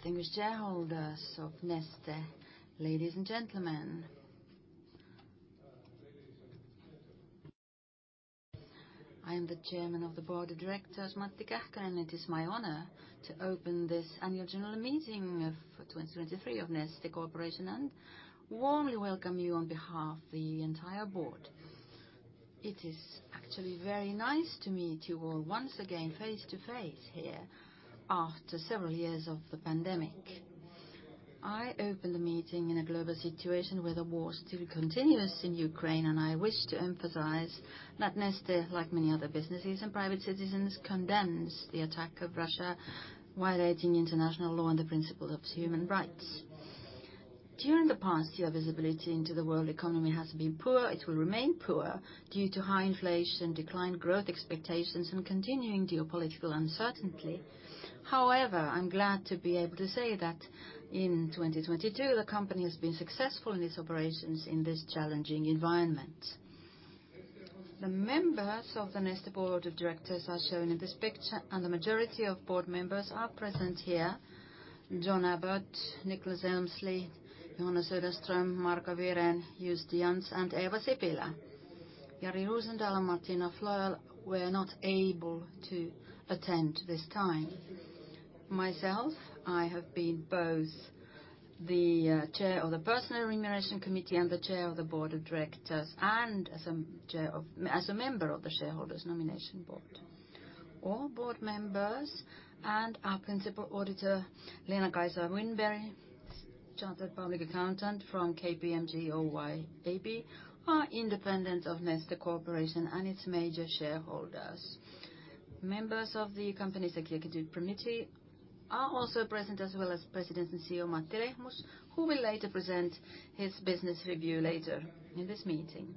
Distinguished shareholders of Neste, ladies and gentlemen. I am the Chairman of the Board of Directors, Matti Kähkönen, and it is my honor to open this annual general meeting of 2023 of Neste Corporation, and warmly welcome you on behalf of the entire board. It is actually very nice to meet you all once again face to face here after several years of the pandemic. I open the meeting in a global situation where the war still continues in Ukraine, and I wish to emphasize that Neste, like many other businesses and private citizens, condemns the attack of Russia violating international law and the principles of human rights. During the past year, visibility into the world economy has been poor. It will remain poor due to high inflation, declined growth expectations, and continuing geopolitical uncertainty. However, I'm glad to be able to say that in 2022, the company has been successful in its operations in this challenging environment. The members of the Neste Board of Directors are shown in this picture, and the majority of board members are present here. John Abbott, Nick Elmslie, Johanna Söderström, Marco Wirén, Just Jansz, and Eeva Sipilä. Jari Rosendal and Martina Flöel were not able to attend this time. Myself, I have been both the chair of the Personnel and Remuneration Committee and the chair of the Board of Directors, and as a member of the Shareholders' Nomination Board. All board members and our principal auditor, Leena-Kaisa Winberg, Authorized Public Accountant from KPMG Oy Ab, are independent of Neste Corporation and its major shareholders. Members of the company's Executive Committee are also present, as well as President and CEO Matti Lehmus, who will later present his business review later in this meeting.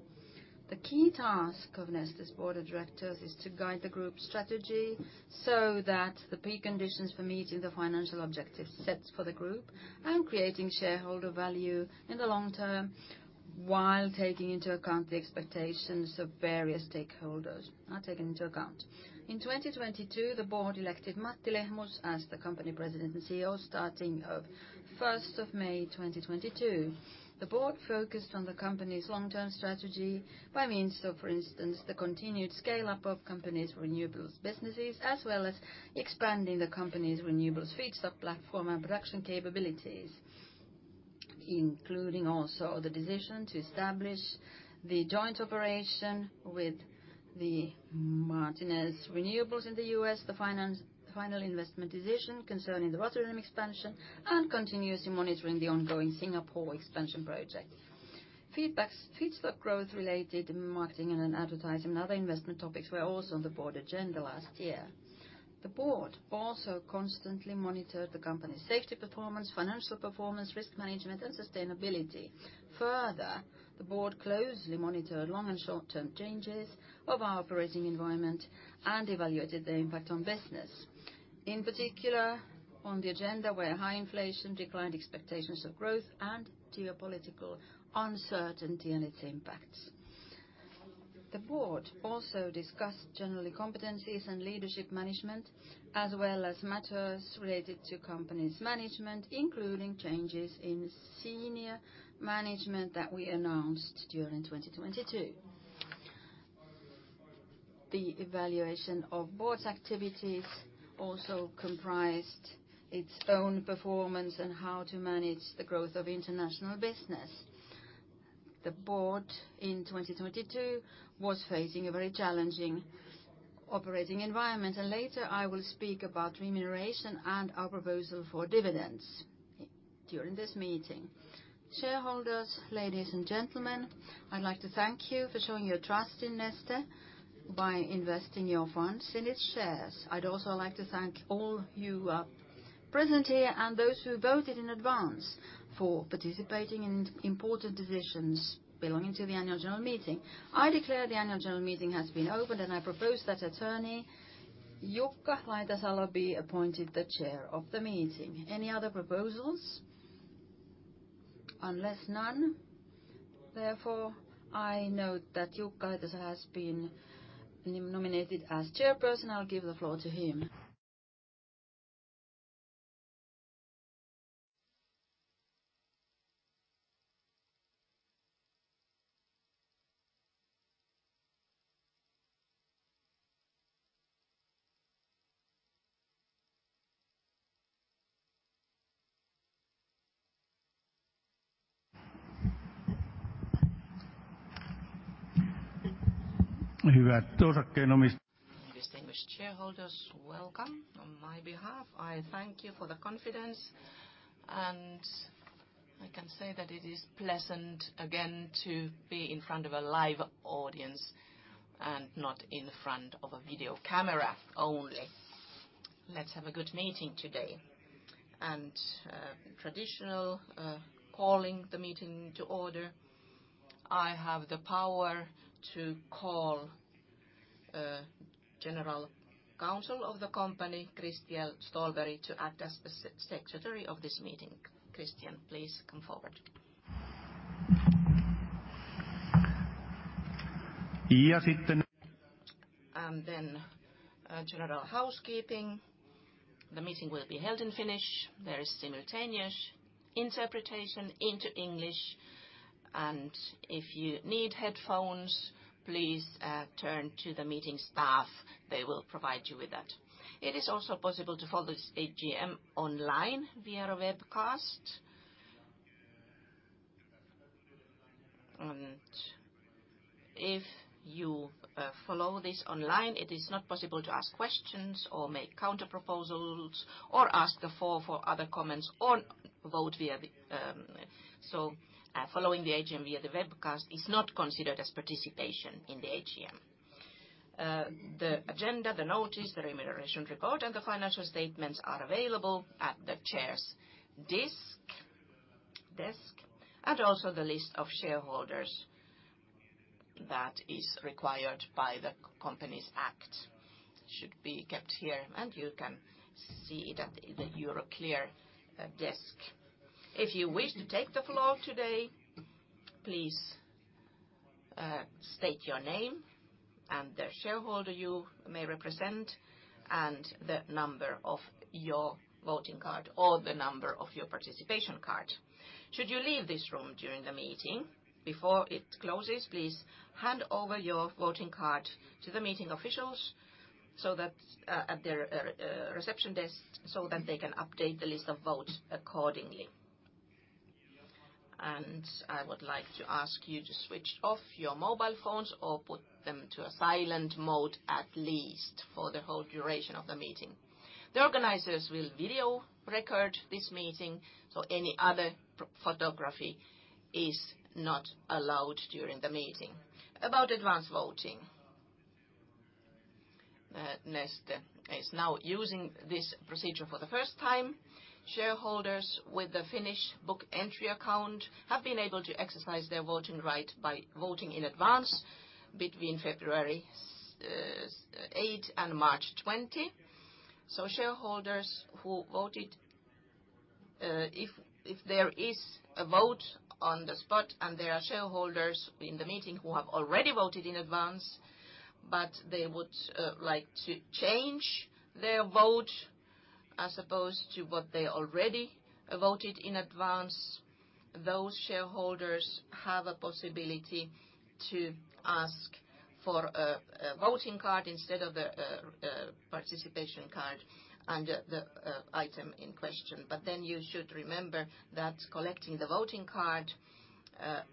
The key task of Neste's Board of Directors is to guide the group strategy so that the preconditions for meeting the financial objectives set for the group and creating shareholder value in the long term, while taking into account the expectations of various stakeholders, are taken into account. In 2022, the board elected Matti Lehmus as the company President and CEO starting of 1st of May, 2022. The board focused on the company's long-term strategy by means of, for instance, the continued scale-up of the company's renewables businesses, as well as expanding the company's renewables feedstock platform and production capabilities. Including also the decision to establish the joint operation with the Martinez Renewables in the US, the final investment decision concerning the Rotterdam expansion, and continuously monitoring the ongoing Singapore expansion project. Feedstock growth-related marketing and advertising and other investment topics were also on the board agenda last year. The board also constantly monitored the company's safety performance, financial performance, risk management, and sustainability. Further, the board closely monitored long and short-term changes of our operating environment and evaluated their impact on business. In particular, on the agenda were high inflation, declined expectations of growth, and geopolitical uncertainty and its impacts. The board also discussed generally competencies and leadership management, as well as matters related to company's management, including changes in senior management that we announced during 2022. The evaluation of board's activities also comprised its own performance and how to manage the growth of international business. The board in 2022 was facing a very challenging operating environment. Later, I will speak about remuneration and our proposal for dividends during this meeting. Shareholders, ladies and gentlemen, I'd like to thank you for showing your trust in Neste by investing your funds in its shares. I'd also like to thank all you who are present here and those who voted in advance for participating in important decisions belonging to the annual general meeting. I declare the annual general meeting has been opened. I propose that attorney Jukka Laitasalo be appointed the chair of the meeting. Any other proposals? Unless none. I note that Jukka Laitasalo has been nominated as chairperson. I'll give the floor to him. Distinguished shareholders, welcome. On my behalf, I thank you for the confidence, and I can say that it is pleasant again to be in front of a live audience and not in front of a video camera only. Let's have a good meeting today. Traditional calling the meeting to order, I have the power to call General Counsel of the company, Christian Ståhlberg, to act as the secretary of this meeting. Christian, please come forward. General housekeeping. The meeting will be held in Finnish. There is simultaneous interpretation into English, and if you need headphones, please turn to the meeting staff, they will provide you with that. It is also possible to follow this AGM online via webcast. If you follow this online, it is not possible to ask questions or make counter proposals, or ask the floor for other comments or vote via the. Following the AGM via the webcast is not considered as participation in the AGM. The agenda, the notice, the remuneration report, and the financial statements are available at the chair's desk, and also the list of shareholders that is required by the Companies Act should be kept here, and you can see it at the Euroclear desk. If you wish to take the floor today, please state your name and the shareholder you may represent, and the number of your voting card, or the number of your participation card. Should you leave this room during the meeting before it closes, please hand over your voting card to the meeting officials at their reception desk, so that they can update the list of votes accordingly. I would like to ask you to switch off your mobile phones or put them to a silent mode at least for the whole duration of the meeting. The organizers will video record this meeting, so any other photography is not allowed during the meeting. About advance voting. Neste is now using this procedure for the first time. Shareholders with the Finnish book entry account have been able to exercise their voting right by voting in advance between February 8 and March 20. Shareholders who voted, if there is a vote on the spot and there are shareholders in the meeting who have already voted in advance, but they would like to change their vote as opposed to what they already voted in advance, those shareholders have a possibility to ask for a voting card instead of the participation card under the item in question. You should remember that collecting the voting card,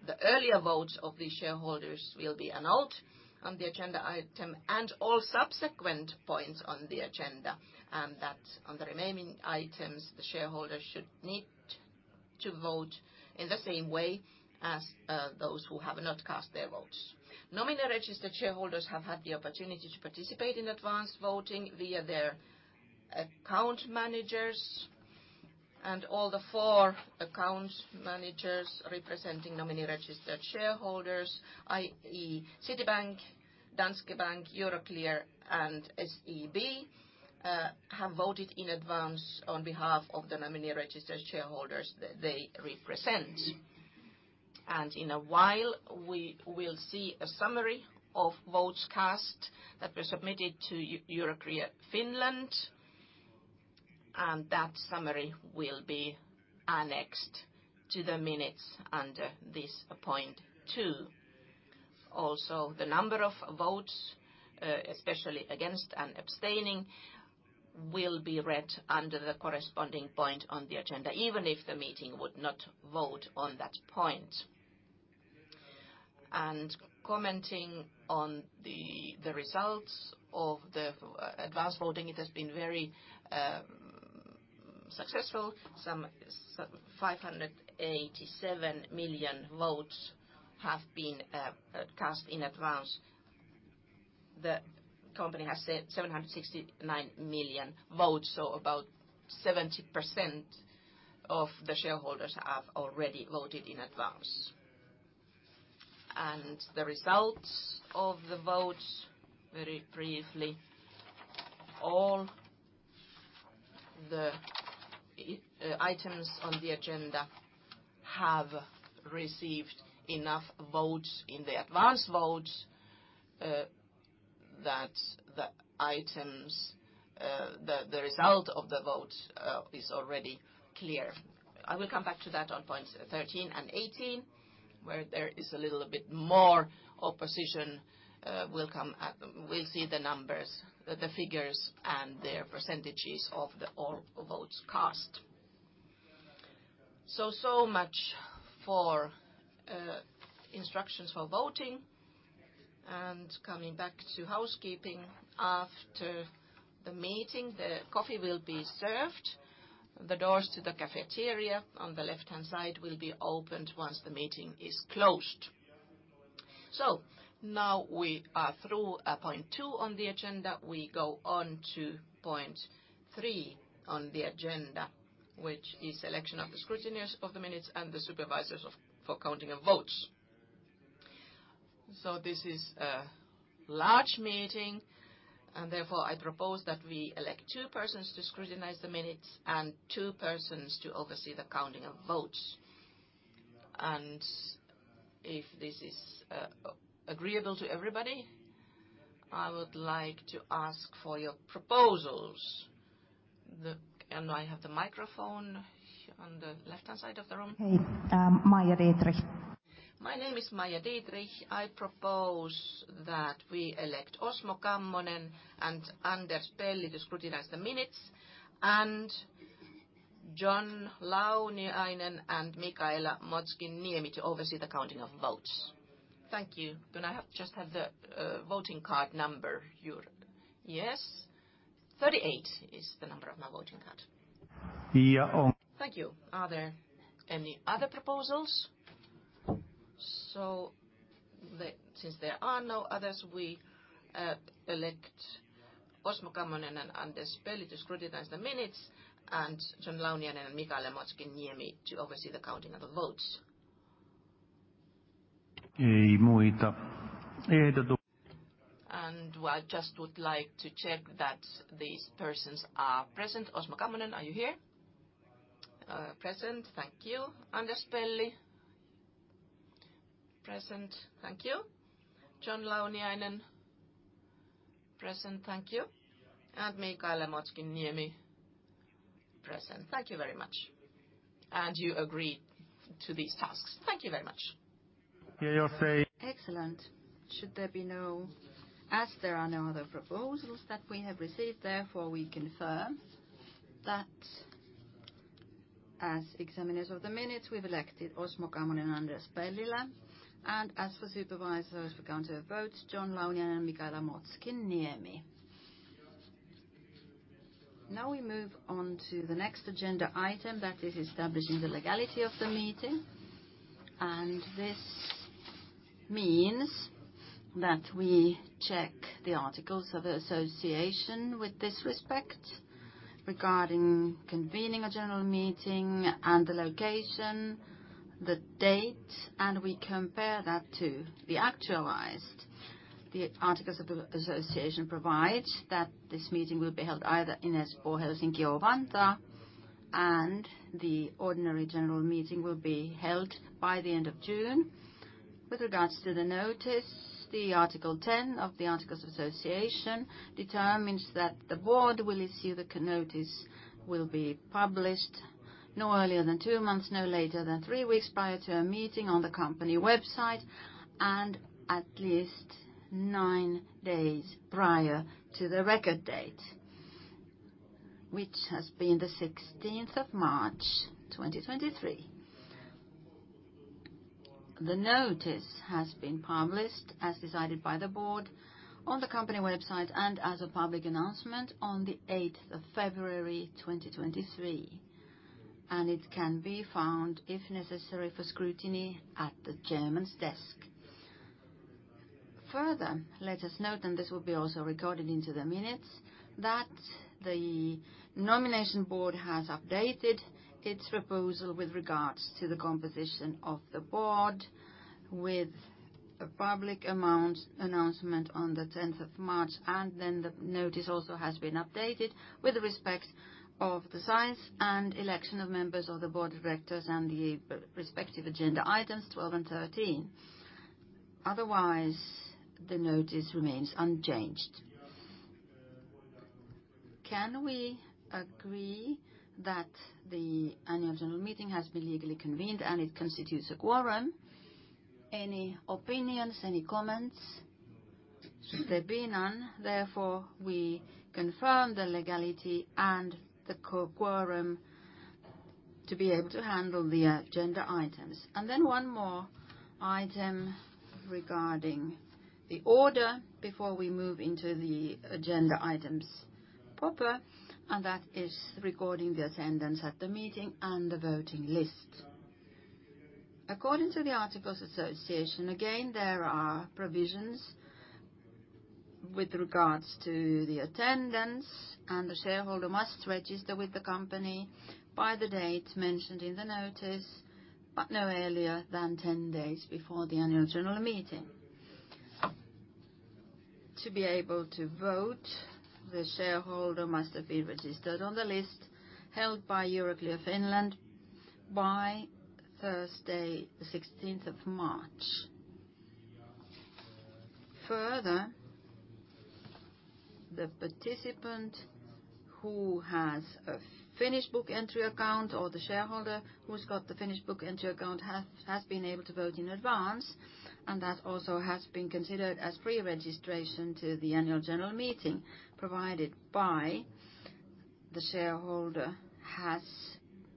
the earlier votes of the shareholders will be annulled on the agenda item and all subsequent points on the agenda. That on the remaining items, the shareholders should need to vote in the same way as those who have not cast their votes. Nominee registered shareholders have had the opportunity to participate in advance voting via their account managers. All the four account managers representing nominee registered shareholders, i.e., Citibank, Danske Bank, Euroclear, and SEB, have voted in advance on behalf of the nominee registered shareholders they represent. In a while, we will see a summary of votes cast that were submitted to Euroclear Finland, and that summary will be annexed to the minutes under this point 2. The number of votes, especially against and abstaining, will be read under the corresponding point on the agenda, even if the meeting would not vote on that point. Commenting on the results of the advance voting, it has been very successful. Some 587 million votes have been cast in advance. The company has said 769 million votes, so about 70% of the shareholders have already voted in advance. The results of the votes, very briefly, all the items on the agenda have received enough votes in the advance vote, that the items, the result of the vote, is already clear. I will come back to that on points 13 and 18, where there is a little bit more opposition, will see the numbers, the figures and their percentages of the all votes cast. So much for instructions for voting. Coming back to housekeeping, after the meeting, the coffee will be served. The doors to the cafeteria on the left-hand side will be opened once the meeting is closed. Now we are through, point 2 on the agenda. We go on to point 3 on the agenda, which is selection of the scrutineers of the minutes and the supervisors for counting of votes. This is, large meeting, and therefore I propose that we elect two persons to scrutinize the minutes and two persons to oversee the counting of votes. If this is agreeable to everybody, I would like to ask for your proposals. I have the microphone on the left-hand side of the room. Hey, Maija Strandberg. My name is Maija Strandberg. I propose that we elect Osmo Kammonen and Anders Pelli to scrutinize the minutes, and John Launiainen and Mikaela Motskinniemi to oversee the counting of votes. Thank you. Can I have the voting card number here? Yes. 38 is the number of my voting card. Yeah. Thank you. Are there any other proposals? Since there are no others, we elect Osmo Kammonen and Anders Pelli to scrutinize the minutes, and John Launiainen and Mikaela Motskinniemi to oversee the counting of the votes. Ei muita. I just would like to check that these persons are present. Osmo Kammonen, are you here? Present. Thank you. Anders Pelli? Present. Thank you. John Launiainen? Present. Thank you. Mikaela Motskinniemi? Present. Thank you very much. You agree to these tasks? Thank you very much. Joo. Excellent. There are no other proposals that we have received, therefore, we confirm that as examiners of the minutes, we've elected Osmo Kammonen and Anders Pelli, and as for supervisors for count of votes, John Launiainen and Mikaela Motskinniemi. Now we move on to the next agenda item, that is establishing the legality of the meeting. This means that we check the articles of association with this respect regarding convening a general meeting and the location, the date, and we compare that to the actualized. The articles of the association provides that this meeting will be held either in Espoo, Helsinki or Vantaa. The ordinary general meeting will be held by the end of June. With regards to the notice, the Article 10 of the Articles Association determines that the Board will issue the notice will be published no earlier than 2 months, no later than 3 weeks prior to a meeting on the company website and at least 9 days prior to the record date, which has been the 16th of March, 2023. The notice has been published as decided by the Board on the company website and as a public announcement on the 8th of February, 2023, and it can be found, if necessary, for scrutiny at the Chairman's desk. Further, let us note, this will be also recorded into the minutes, that the nomination board has updated its proposal with regards to the composition of the board with a public announcement on the 10th of March, the notice also has been updated with respect of the size and election of members of the Board of Directors and the respective agenda items 12 and 13. Otherwise, the notice remains unchanged. Can we agree that the annual general meeting has been legally convened and it constitutes a quorum? Any opinions? Any comments? Should there be none, therefore, we confirm the legality and the quorum to be able to handle the agenda items. One more item regarding the order before we move into the agenda items proper, and that is recording the attendance at the meeting and the voting list. According to the Articles Association, again, there are provisions with regards to the attendance, the shareholder must register with the company by the date mentioned in the notice, but no earlier than 10 days before the annual general meeting. To be able to vote, the shareholder must have been registered on the list held by Euroclear Finland by Thursday, 16th of March. Further, the participant who has a Finnish book entry account or the shareholder who's got the Finnish book entry account has been able to vote in advance, that also has been considered as pre-registration to the annual general meeting, provided by the shareholder has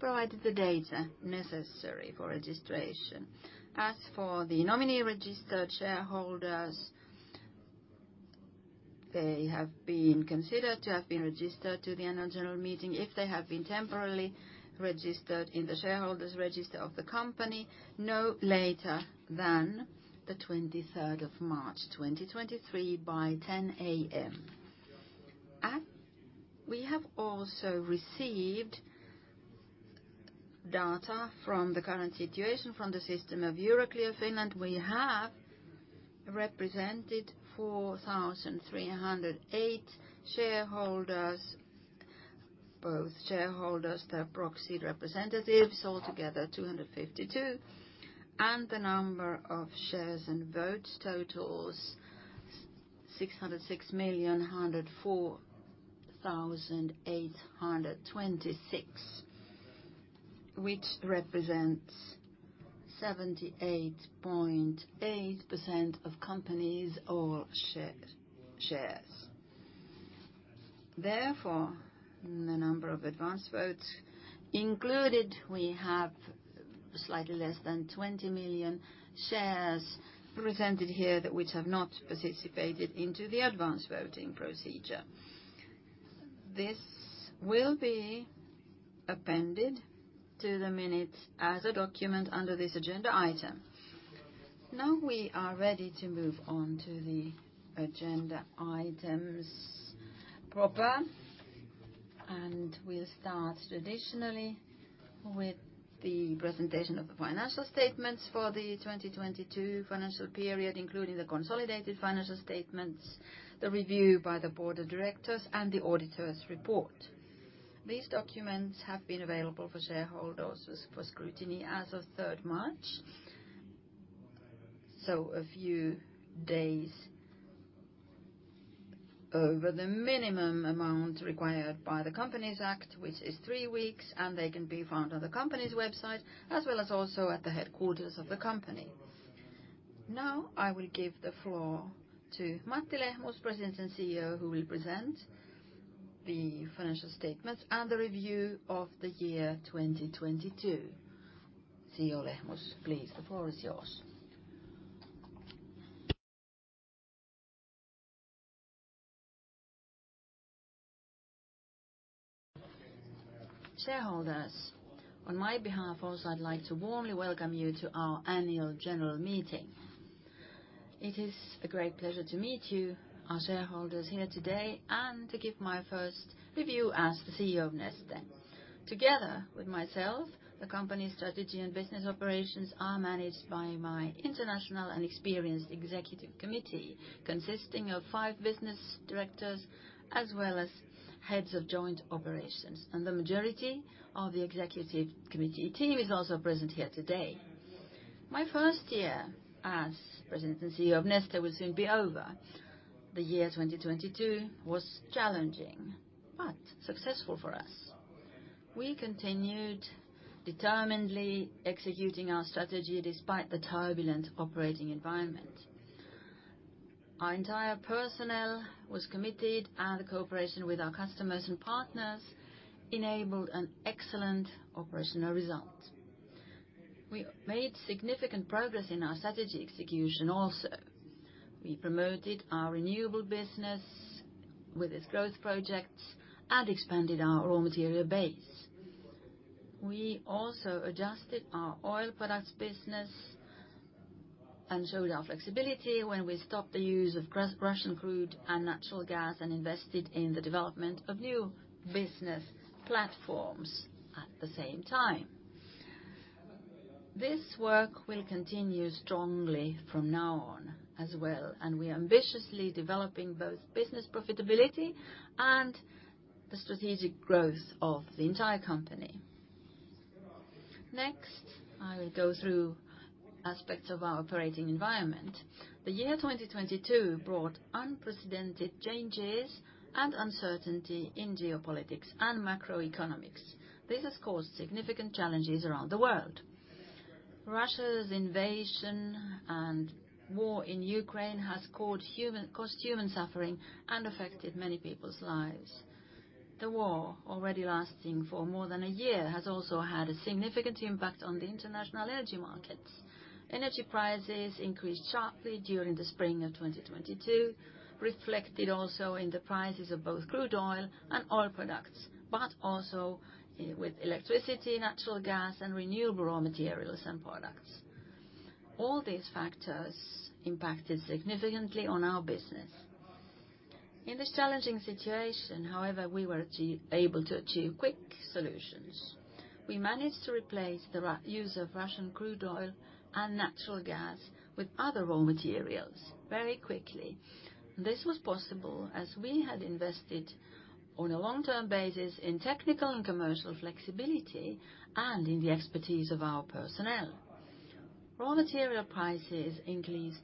provided the data necessary for registration. As for the nominee-registered shareholders, they have been considered to have been registered to the annual general meeting if they have been temporarily registered in the shareholders' register of the company no later than the 23rd of March, 2023 by 10:00 A.M. We have also received data from the current situation from the system of Euroclear Finland, we have represented 4,308 shareholders, both shareholders, their proxy representatives, all together 252, and the number of shares and votes totals 606 million, 104,826, which represents 78.8% of company's all shares. The number of advance votes included, we have slightly less than 20 million shares presented here that which have not participated into the advance voting procedure. This will be appended to the minutes as a document under this agenda item. Now we are ready to move on to the agenda items proper, and we'll start traditionally with the presentation of the financial statements for the 2022 financial period, including the consolidated financial statements, the review by the Board of Directors, and the auditor's report. These documents have been available for shareholders for scrutiny as of 3rd March, so a few days over the minimum amount required by the Companies Act, which is 3 weeks, and they can be found on the company's website as well as also at the headquarters of the company. Now I will give the floor to Matti Lehmus, President and CEO, who will present the financial statements and the review of the year 2022. CEO Lehmus, please, the floor is yours. Shareholders, on my behalf also, I'd like to warmly welcome you to our annual general meeting. It is a great pleasure to meet you, our shareholders here today, and to give my first review as the CEO of Neste. Together with myself, the company's strategy and business operations are managed by my international and experienced executive committee, consisting of 5 business directors as well as heads of joint operations. The majority of the executive committee team is also present here today. My first year as President and CEO of Neste will soon be over. The year 2022 was challenging but successful for us. We continued determinedly executing our strategy despite the turbulent operating environment. Our entire personnel was committed, and the cooperation with our customers and partners enabled an excellent operational result. We made significant progress in our strategy execution also. We promoted our renewable business with its growth projects and expanded our raw material base. We also adjusted our oil products business and showed our flexibility when we stopped the use of Russian crude and natural gas and invested in the development of new business platforms at the same time. This work will continue strongly from now on as well, and we are ambitiously developing both business profitability and the strategic growth of the entire company. I will go through aspects of our operating environment. The year 2022 brought unprecedented changes and uncertainty in geopolitics and macroeconomics. This has caused significant challenges around the world. Russia's invasion and war in Ukraine has caused human suffering and affected many people's lives. The war, already lasting for more than a year, has also had a significant impact on the international energy markets. Energy prices increased sharply during the spring of 2022, reflected also in the prices of both crude oil and oil products, also with electricity, natural gas, and renewable raw materials and products. All these factors impacted significantly on our business. In this challenging situation, however, we were able to achieve quick solutions. We managed to replace the use of Russian crude oil and natural gas with other raw materials very quickly. This was possible as we had invested on a long-term basis in technical and commercial flexibility and in the expertise of our personnel. Raw material prices increased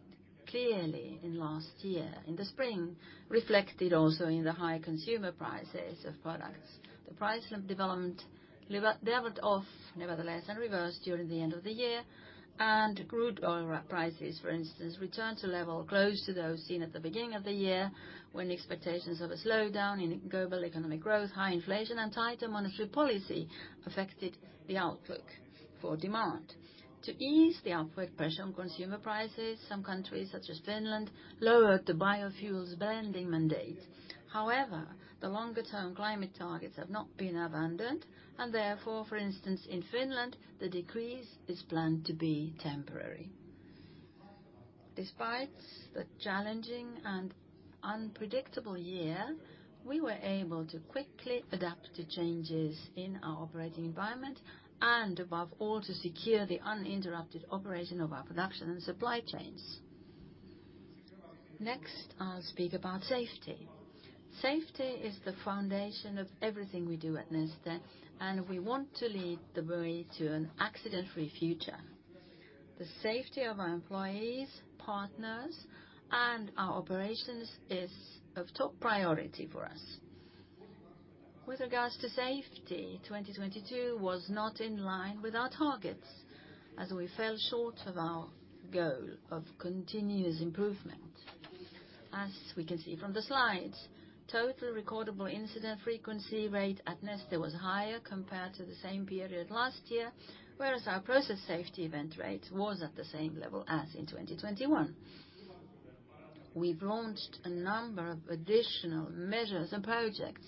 clearly in last year, in the spring, reflected also in the high consumer prices of products. The price of development leveled off nevertheless and reversed during the end of the year. Crude oil prices, for instance, returned to level close to those seen at the beginning of the year, when expectations of a slowdown in global economic growth, high inflation, and tighter monetary policy affected the outlook for demand. To ease the upward pressure on consumer prices, some countries, such as Finland, lowered the biofuels blending mandate. The longer-term climate targets have not been abandoned and therefore, for instance, in Finland, the decrease is planned to be temporary. Despite the challenging and unpredictable year, we were able to quickly adapt to changes in our operating environment and above all, to secure the uninterrupted operation of our production and supply chains. Next, I'll speak about safety. Safety is the foundation of everything we do at Neste. We want to lead the way to an accident-free future. The safety of our employees, partners, and our operations is of top priority for us. With regards to safety, 2022 was not in line with our targets as we fell short of our goal of continuous improvement. We can see from the slides, Total Recordable Incident Frequency Rate at Neste was higher compared to the same period last year, whereas our process safety event rate was at the same level as in 2021. We've launched a number of additional measures and projects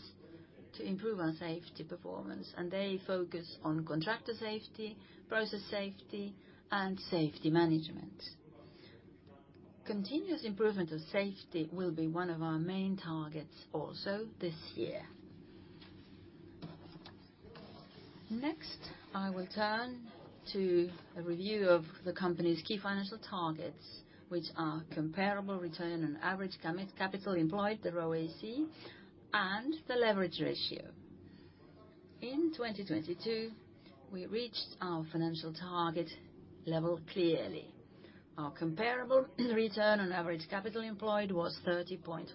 to improve our safety performance. They focus on contractor safety, process safety, and safety management. Continuous improvement of safety will be one of our main targets also this year. Next, I will turn to a review of the company's key financial targets, which are comparable return on average capital employed, the ROACE, and the leverage ratio. In 2022, we reached our financial target level clearly. Our comparable return on average capital employed was 30.1%,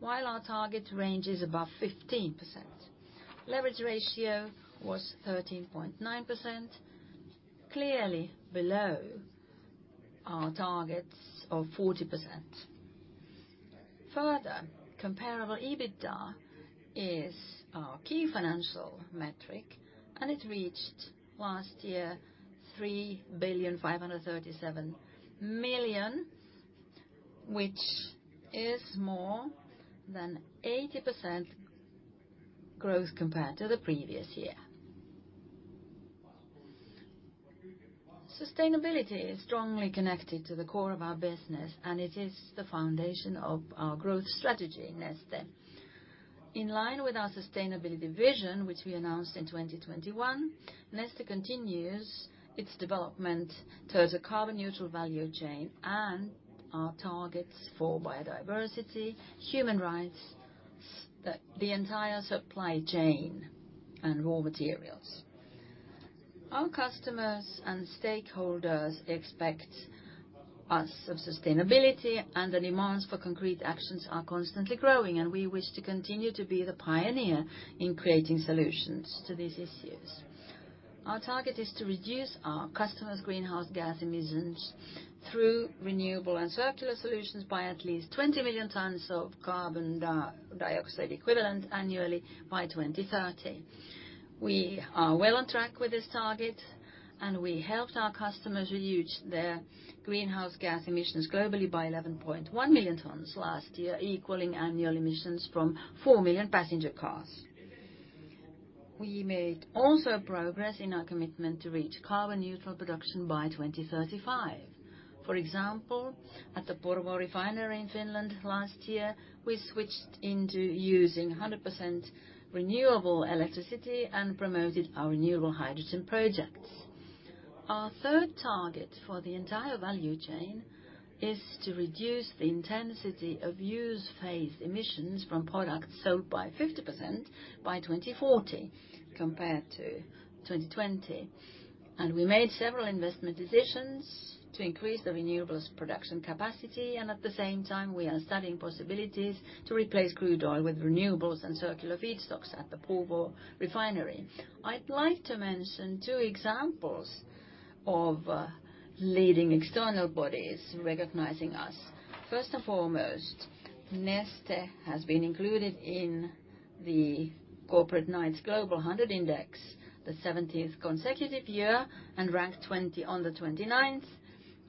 while our target range is above 15%. Leverage ratio was 13.9%, clearly below our targets of 40%. Further, comparable EBITDA is our key financial metric, and it reached last year €3.537 billion, which is more than 80% growth compared to the previous year. Sustainability is strongly connected to the core of our business, and it is the foundation of our growth strategy in Neste. In line with our sustainability vision, which we announced in 2021, Neste continues its development towards a carbon-neutral value chain and our targets for biodiversity, human rights, the entire supply chain and raw materials. Our customers and stakeholders expect us of sustainability. The demands for concrete actions are constantly growing, and we wish to continue to be the pioneer in creating solutions to these issues. Our target is to reduce our customers' greenhouse gas emissions through renewable and circular solutions by at least 20 million tons of carbon dioxide equivalent annually by 2030. We are well on track with this target. We helped our customers reduce their greenhouse gas emissions globally by 11.1 million tons last year, equaling annual emissions from 4 million passenger cars. We made also progress in our commitment to reach carbon-neutral production by 2035. For example, at the Porvoo Refinery in Finland last year, we switched into using 100% renewable electricity and promoted our renewable hydrogen projects. Our third target for the entire value chain is to reduce the intensity of use-phase emissions from products sold by 50% by 2040 compared to 2020. We made several investment decisions to increase the renewables production capacity, and at the same time, we are studying possibilities to replace crude oil with renewables and circular feedstocks at the Porvoo Refinery. I'd like to mention two examples of leading external bodies recognizing us. First and foremost, Neste has been included in the Corporate Knights Global 100 Index, the 17th consecutive year, and ranked 20th on the 29th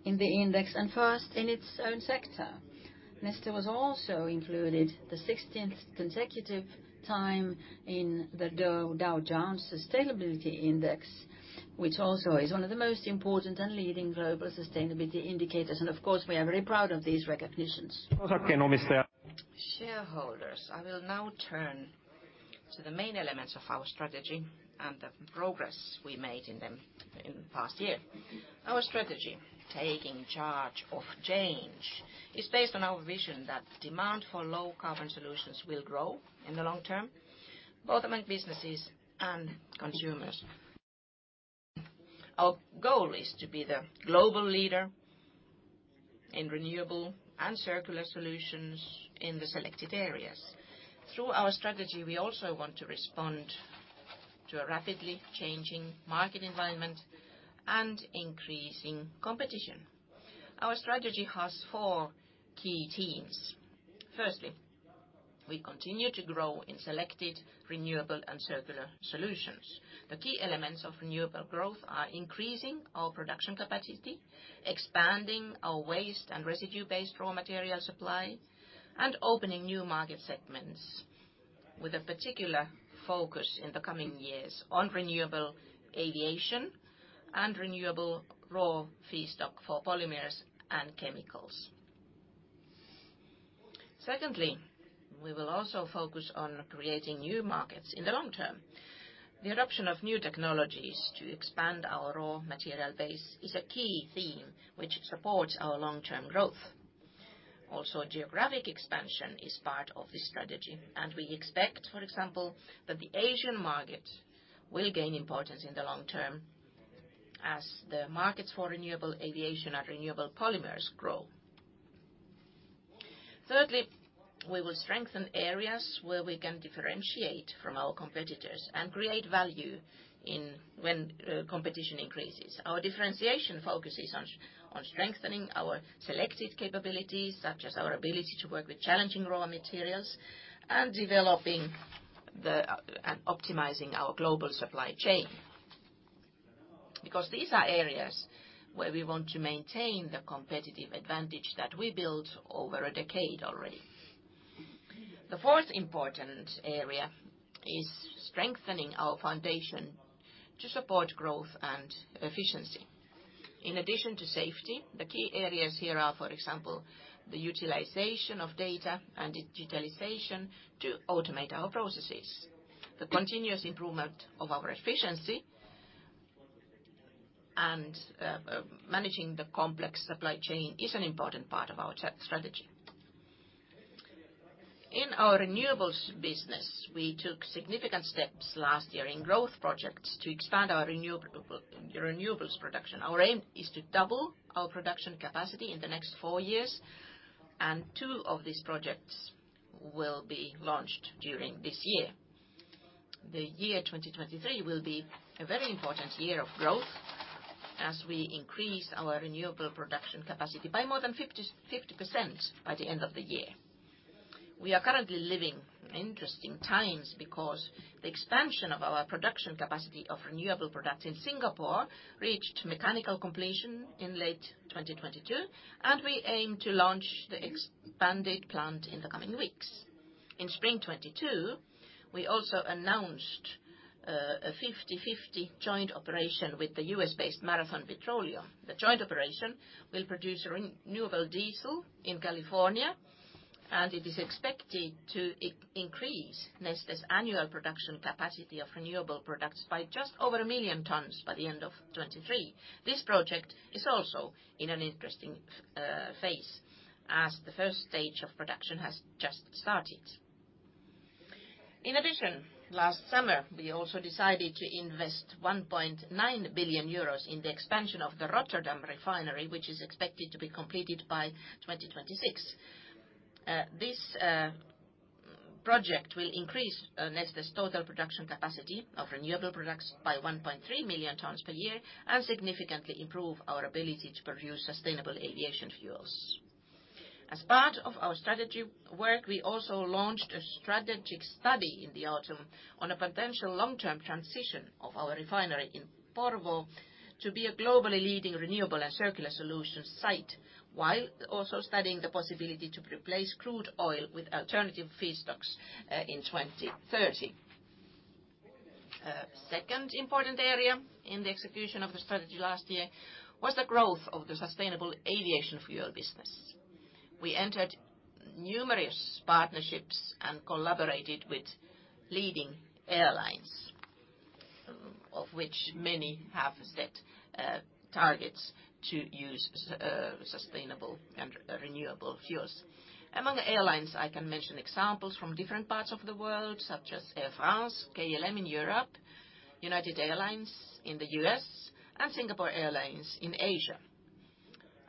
in the Index and first in its own sector. Neste was also included the 16th consecutive time in the Dow Jones Sustainability Index, which also is one of the most important and leading global sustainability indicators. Of course, we are very proud of these recognitions. Shareholders, I will now turn to the main elements of our strategy and the progress we made in them in the past year. Our strategy, Taking Charge of Change, is based on our vision that demand for low-carbon solutions will grow in the long term, both among businesses and consumers. Our goal is to be the global leader in renewable and circular solutions in the selected areas. Through our strategy, we also want to respond to a rapidly changing market environment and increasing competition. Our strategy has 4 key teams. Firstly, we continue to grow in selected renewable and circular solutions. The key elements of renewable growth are increasing our production capacity, expanding our waste and residue-based raw material supply, and opening new market segments. With a particular focus in the coming years on renewable aviation and renewable raw feedstock for polymers and chemicals. Secondly, we will also focus on creating new markets in the long term. The adoption of new technologies to expand our raw material base is a key theme which supports our long-term growth. Geographic expansion is part of this strategy, and we expect, for example, that the Asian market will gain importance in the long term as the markets for renewable aviation and renewable polymers grow. Thirdly, we will strengthen areas where we can differentiate from our competitors and create value when competition increases. Our differentiation focuses on strengthening our selected capabilities, such as our ability to work with challenging raw materials and developing the... Optimizing our global supply chain because these are areas where we want to maintain the competitive advantage that we built over a decade already. The fourth important area is strengthening our foundation to support growth and efficiency. In addition to safety, the key areas here are, for example, the utilization of data and digitalization to automate our processes. The continuous improvement of our efficiency and managing the complex supply chain is an important part of our strategy. In our renewables business, we took significant steps last year in growth projects to expand our renewables production. Our aim is to double our production capacity in the next four years, and two of these projects will be launched during this year. The year 2023 will be a very important year of growth as we increase our renewable production capacity by more than 50% by the end of the year. We are currently living in interesting times because the expansion of our production capacity of renewable products in Singapore reached mechanical completion in late 2022, and we aim to launch the expanded plant in the coming weeks. In spring 2022, we also announced a 50/50 joint operation with the US-based Marathon Petroleum. The joint operation will produce renewable diesel in California, and it is expected to increase Neste's annual production capacity of renewable products by just over 1 million tons by the end of 2023. This project is also in an interesting phase as the first stage of production has just started. Last summer, we also decided to invest €1.9 billion in the expansion of the Rotterdam refinery, which is expected to be completed by 2026. This project will increase Neste's total production capacity of renewable products by 1.3 million tons per year and significantly improve our ability to produce sustainable aviation fuels. As part of our strategy work, we also launched a strategic study in the autumn on a potential long-term transition of our refinery in Porvoo to be a globally leading renewable and circular solution site, while also studying the possibility to replace crude oil with alternative feedstocks in 2030. Second important area in the execution of the strategy last year was the growth of the sustainable aviation fuel business. We entered numerous partnerships and collaborated with leading airlines, of which many have set targets to use sustainable and renewable fuels. Among the airlines, I can mention examples from different parts of the world, such as Air France, KLM in Europe, United Airlines in the US, and Singapore Airlines in Asia.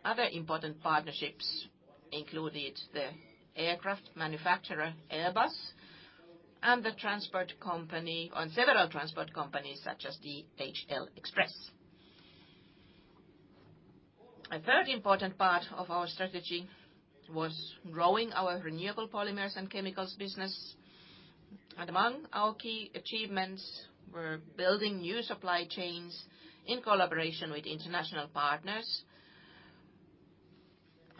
Other important partnerships included the aircraft manufacturer Airbus and several transport companies such as DHL Express. A third important part of our strategy was growing our renewable polymers and chemicals business. Among our key achievements, we're building new supply chains in collaboration with international partners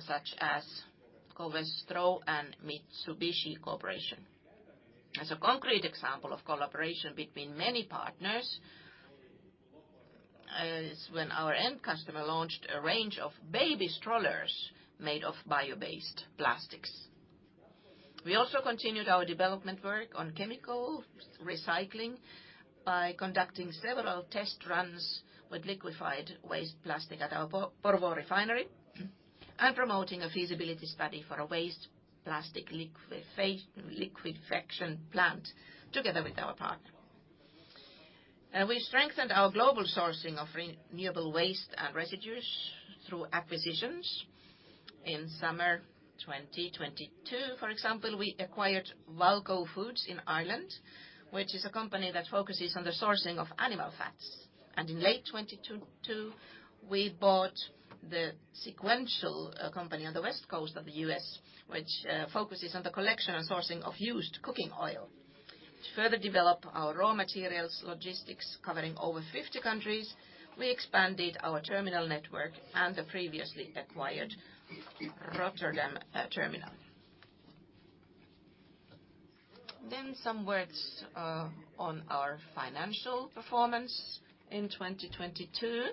such as Covestro and Mitsubishi Corporation. As a concrete example of collaboration between many partners is when our end customer launched a range of baby strollers made of bio-based plastics. We also continued our development work on chemical recycling by conducting several test runs with liquified waste plastic at our Porvoo refinery and promoting a feasibility study for a waste plastic liquefaction plant together with our partner. We strengthened our global sourcing of renewable waste and residues through acquisitions. In summer 2022, for example, we acquired Walco Foods in Ireland, which is a company that focuses on the sourcing of animal fats. In late 2022, we bought the SeQuential company on the West Coast of the US, which focuses on the collection and sourcing of used cooking oil. To further develop our raw materials logistics covering over 50 countries, we expanded our terminal network and the previously acquired Rotterdam Terminal. Some words on our financial performance in 2022.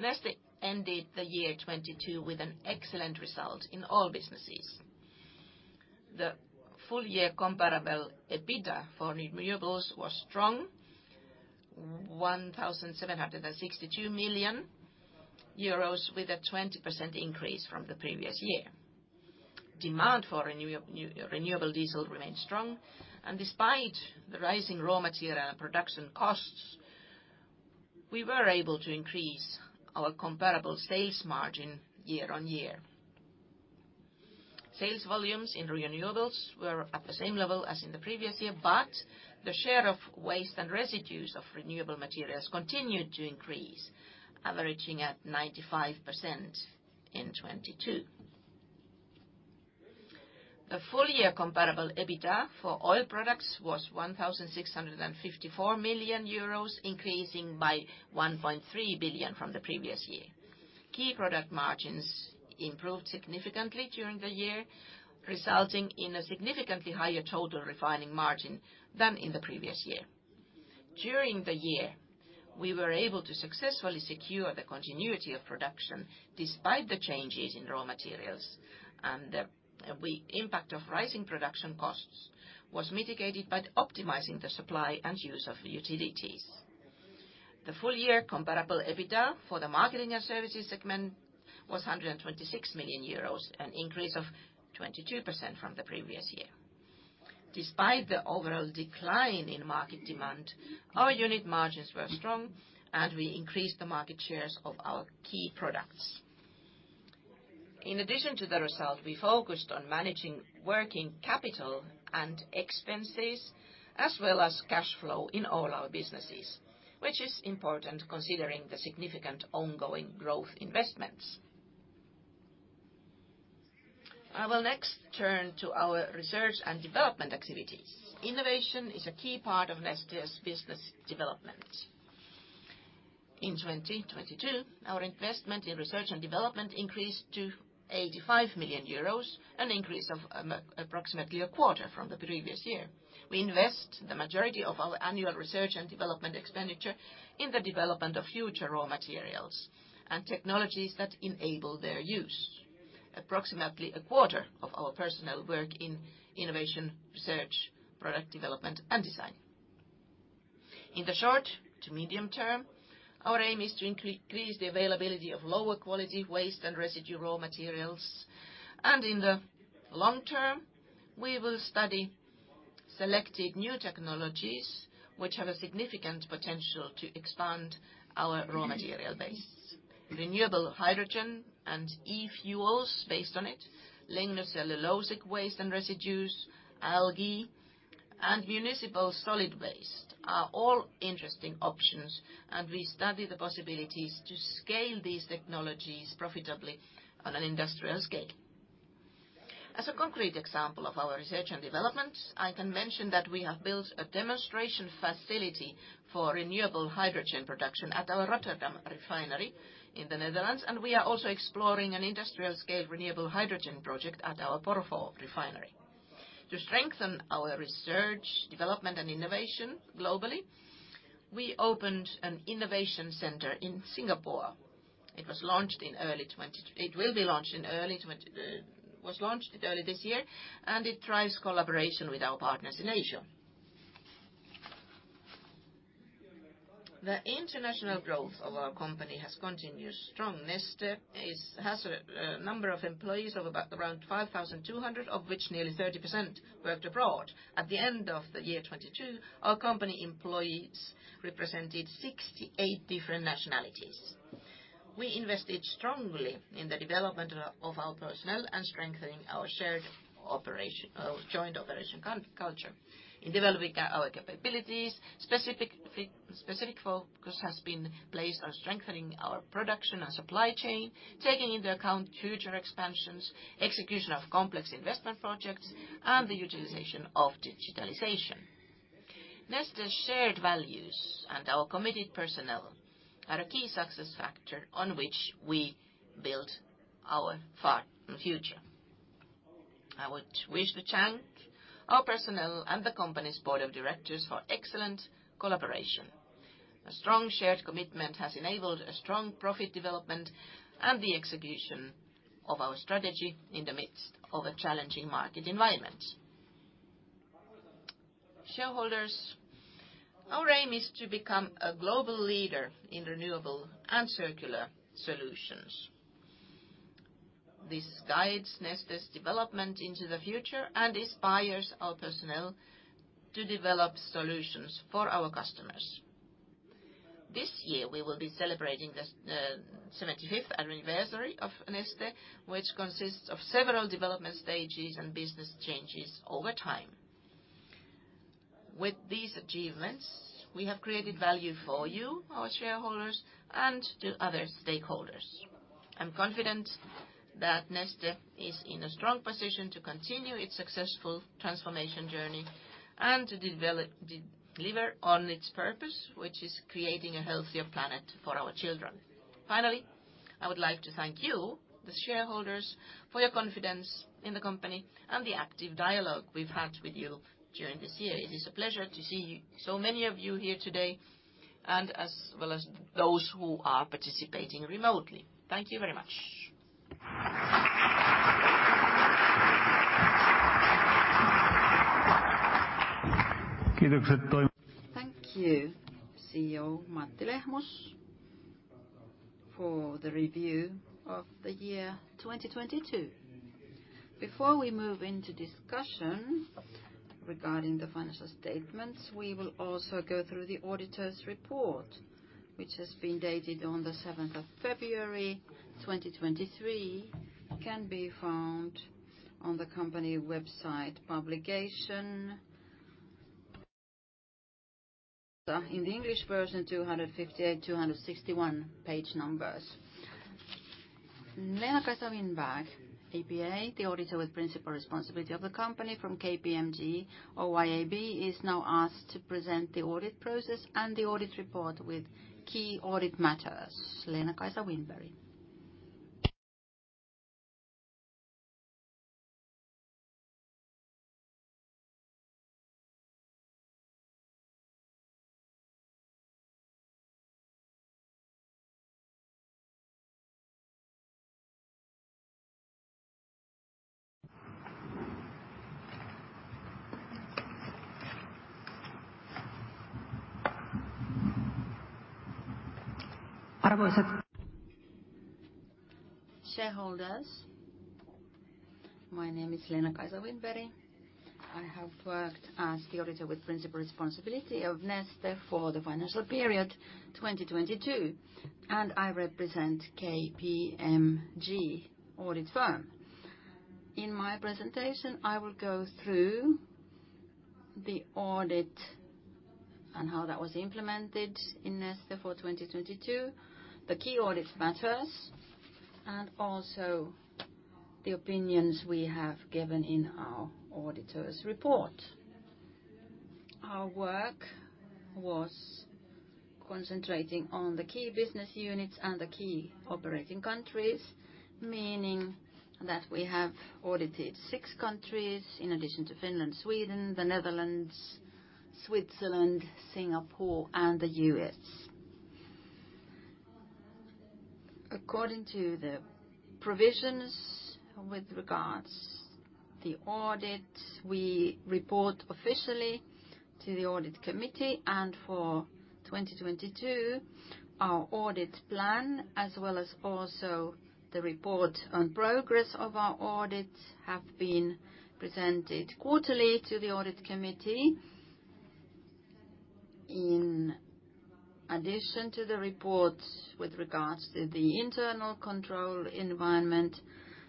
Neste ended the year 2022 with an excellent result in all businesses. The full year comparable EBITDA for renewables was strong, €1,762 million, with a 20% increase from the previous year. Demand for renewable diesel remained strong, despite the rising raw material and production costs, we were able to increase our comparable sales margin year-over-year. The share of waste and residues of renewable materials continued to increase, averaging at 95% in 2022. The full year comparable EBITDA for oil products was €1,654 million, increasing by €1.3 billion from the previous year. Key product margins improved significantly during the year, resulting in a significantly higher total refining margin than in the previous year. During the year, we were able to successfully secure the continuity of production despite the changes in raw materials. The impact of rising production costs was mitigated by optimizing the supply and use of utilities. The full year comparable EBITDA for the marketing and services segment was €126 million, an increase of 22% from the previous year. Despite the overall decline in market demand, our unit margins were strong, and we increased the market shares of our key products. In addition to the result, we focused on managing working capital and expenses, as well as cash flow in all our businesses, which is important considering the significant ongoing growth investments. I will next turn to our research and development activities. Innovation is a key part of Neste's business development. In 2022, our investment in research and development increased to €85 million, an increase of approximately a quarter from the previous year. We invest the majority of our annual research and development expenditure in the development of future raw materials and technologies that enable their use. Approximately a quarter of our personnel work in innovation, research, product development, and design. In the short to medium term, our aim is to increase the availability of lower-quality waste and residue raw materials, and in the long term, we will study selected new technologies which have a significant potential to expand our raw material base. Renewable hydrogen and e-fuels based on it, lignocellulosic waste and residues, algae, and municipal solid waste are all interesting options, and we study the possibilities to scale these technologies profitably on an industrial scale. As a concrete example of our research and development, I can mention that we have built a demonstration facility for renewable hydrogen production at our Rotterdam refinery in the Netherlands, and we are also exploring an industrial-scale renewable hydrogen project at our Porvoo refinery. To strengthen our research, development, and innovation globally, we opened an innovation center in Singapore. It was launched early this year, and it drives collaboration with our partners in Asia. Neste has a number of employees of about around 5,200, of which nearly 30% worked abroad. At the end of the year 2022, our company employees represented 68 different nationalities. We invested strongly in the development of our personnel and strengthening our shared operation, joint operation culture. In developing our capabilities, specific focus has been placed on strengthening our production and supply chain, taking into account future expansions, execution of complex investment projects, and the utilization of digitalization. Neste's shared values and our committed personnel are a key success factor on which we build our far future. I would wish to thank our personnel and the company's board of directors for excellent collaboration. A strong shared commitment has enabled a strong profit development and the execution of our strategy in the midst of a challenging market environment. Shareholders, our aim is to become a global leader in renewable and circular solutions. This guides Neste's development into the future and inspires our personnel to develop solutions for our customers. This year, we will be celebrating the 75th anniversary of Neste, which consists of several development stages and business changes over time. With these achievements, we have created value for you, our shareholders, and to other stakeholders. I'm confident that Neste is in a strong position to continue its successful transformation journey and to deliver on its purpose, which is creating a healthier planet for our children. Finally, I would like to thank you, the shareholders, for your confidence in the company and the active dialogue we've had with you during this year. It is a pleasure to see so many of you here today, and as well as those who are participating remotely. Thank you very much. Thank you, CEO Matti Lehmus, for the review of the year 2022. Before we move into discussion regarding the financial statements, we will also go through the auditor's report, which has been dated on the 7th of February, 2023. Can be found on the company website publication. In the English version, 258, 261 page numbers. Leena-Kaisa Winberg, APA, the auditor with principal responsibility of the company from KPMG Oy Ab, is now asked to present the audit process and the audit report with key audit matters. Leena-Kaisa Winberg. Shareholders, my name is Leena-Kaisa Winberg. I have worked as the auditor with principal responsibility of Neste for the financial period 2022, and I represent the KPMG audit firm. In my presentation, I will go through the audit and how that was implemented in Neste for 2022, the key audit matters, and also the opinions we have given in our auditor's report. Our work was concentrating on the key business units and the key operating countries, meaning that we have audited six countries in addition to Finland, Sweden, the Netherlands, Switzerland, Singapore, and the US. According to the provisions with regards the audits, we report officially to the audit committee. For 2022, our audit plan, as well as also the report on progress of our audits, have been presented quarterly to the audit committee. In addition to the report, with regards to the internal control environment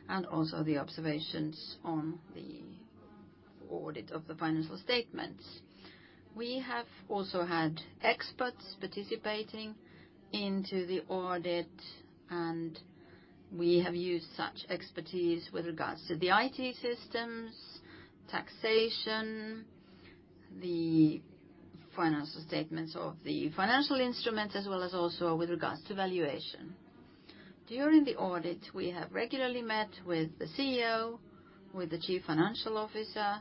and also the observations on the audit of the financial statements. We have also had experts participating into the audit, and we have used such expertise with regards to the IT systems, taxation, the financial statements of the financial instruments, as well as also with regards to valuation. During the audit, we have regularly met with the CEO, with the chief financial officer,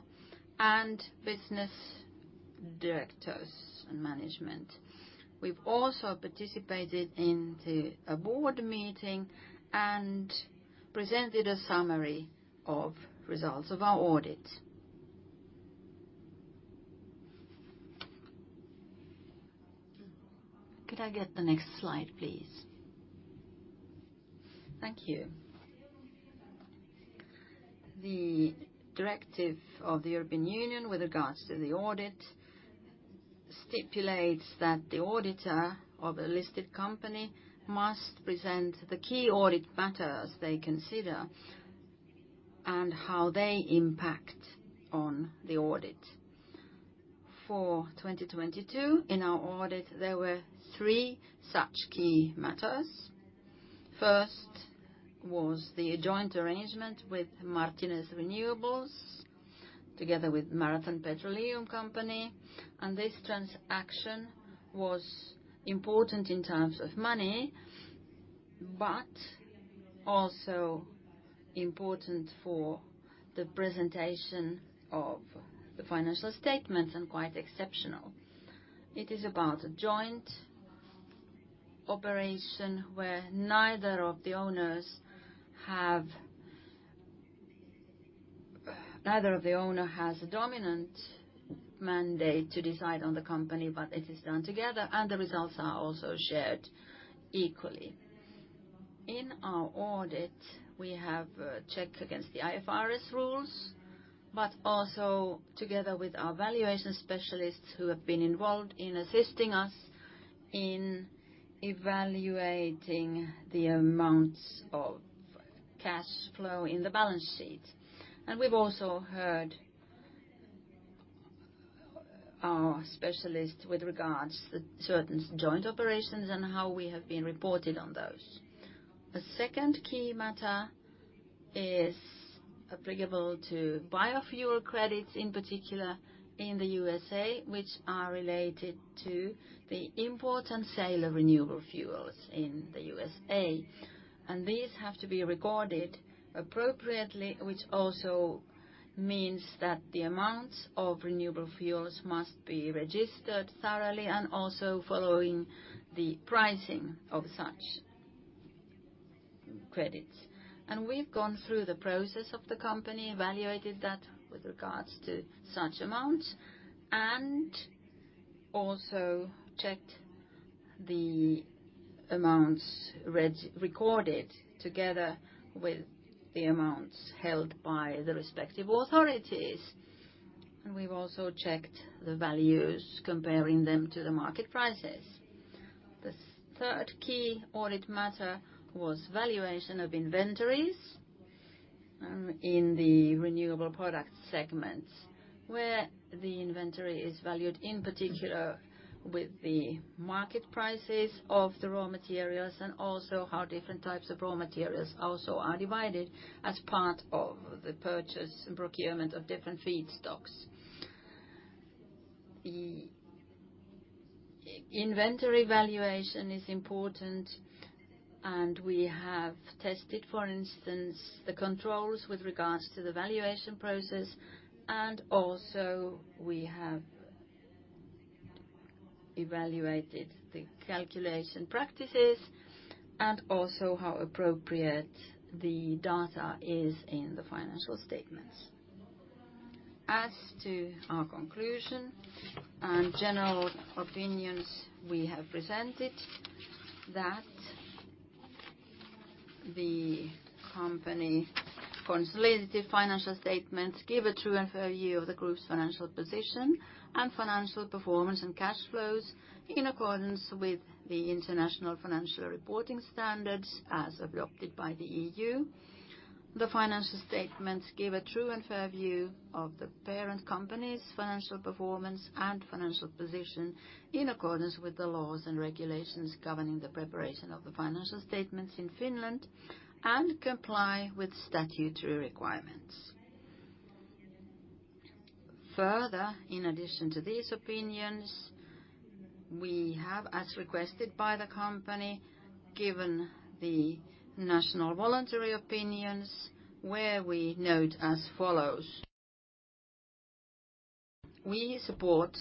and business directors and management. We've also participated in a board meeting and presented a summary of results of our audits. Could I get the next slide, please? Thank you. The directive of the European Union with regards to the audit stipulates that the auditor of a listed company must present the key audit matters they consider and how they impact on the audit. For 2022, in our audit, there were three such key matters. First was the joint arrangement with Martinez Renewables together with Marathon Petroleum company, this transaction was important in terms of money, also important for the presentation of the financial statements and quite exceptional. It is about a joint operation where Neither of the owner has a dominant mandate to decide on the company, it is done together, the results are also shared equally. In our audit, we have checked against the IFRS rules, but also together with our valuation specialists who have been involved in assisting us in evaluating the amounts of cash flow in the balance sheet. We've also heard our specialists with regards to certain joint operations and how we have been reported on those. The second key matter is applicable to biofuel credits, in particular in the USA, which are related to the import and sale of renewable fuels in the USA. These have to be recorded appropriately, which also means that the amounts of renewable fuels must be registered thoroughly and also following the pricing of such credits. We've gone through the process of the company, evaluated that with regards to such amounts, and also checked the amounts recorded together with the amounts held by the respective authorities. We've also checked the values, comparing them to the market prices. The third key audit matter was valuation of inventories in the renewable product segments, where the inventory is valued, in particular with the market prices of the raw materials and also how different types of raw materials also are divided as part of the purchase and procurement of different feedstocks. The inventory valuation is important, and we have tested, for instance, the controls with regards to the valuation process, and also we have evaluated the calculation practices and also how appropriate the data is in the financial statements. As to our conclusion and general opinions, we have presented that the company consolidated financial statements give a true and fair view of the group's financial position and financial performance and cash flows in accordance with the International Financial Reporting Standards as adopted by the EU. The financial statements give a true and fair view of the parent company's financial performance and financial position in accordance with the laws and regulations governing the preparation of the financial statements in Finland and comply with statutory requirements. In addition to these opinions, we have, as requested by the company, given the national voluntary opinions where we note as follows: We support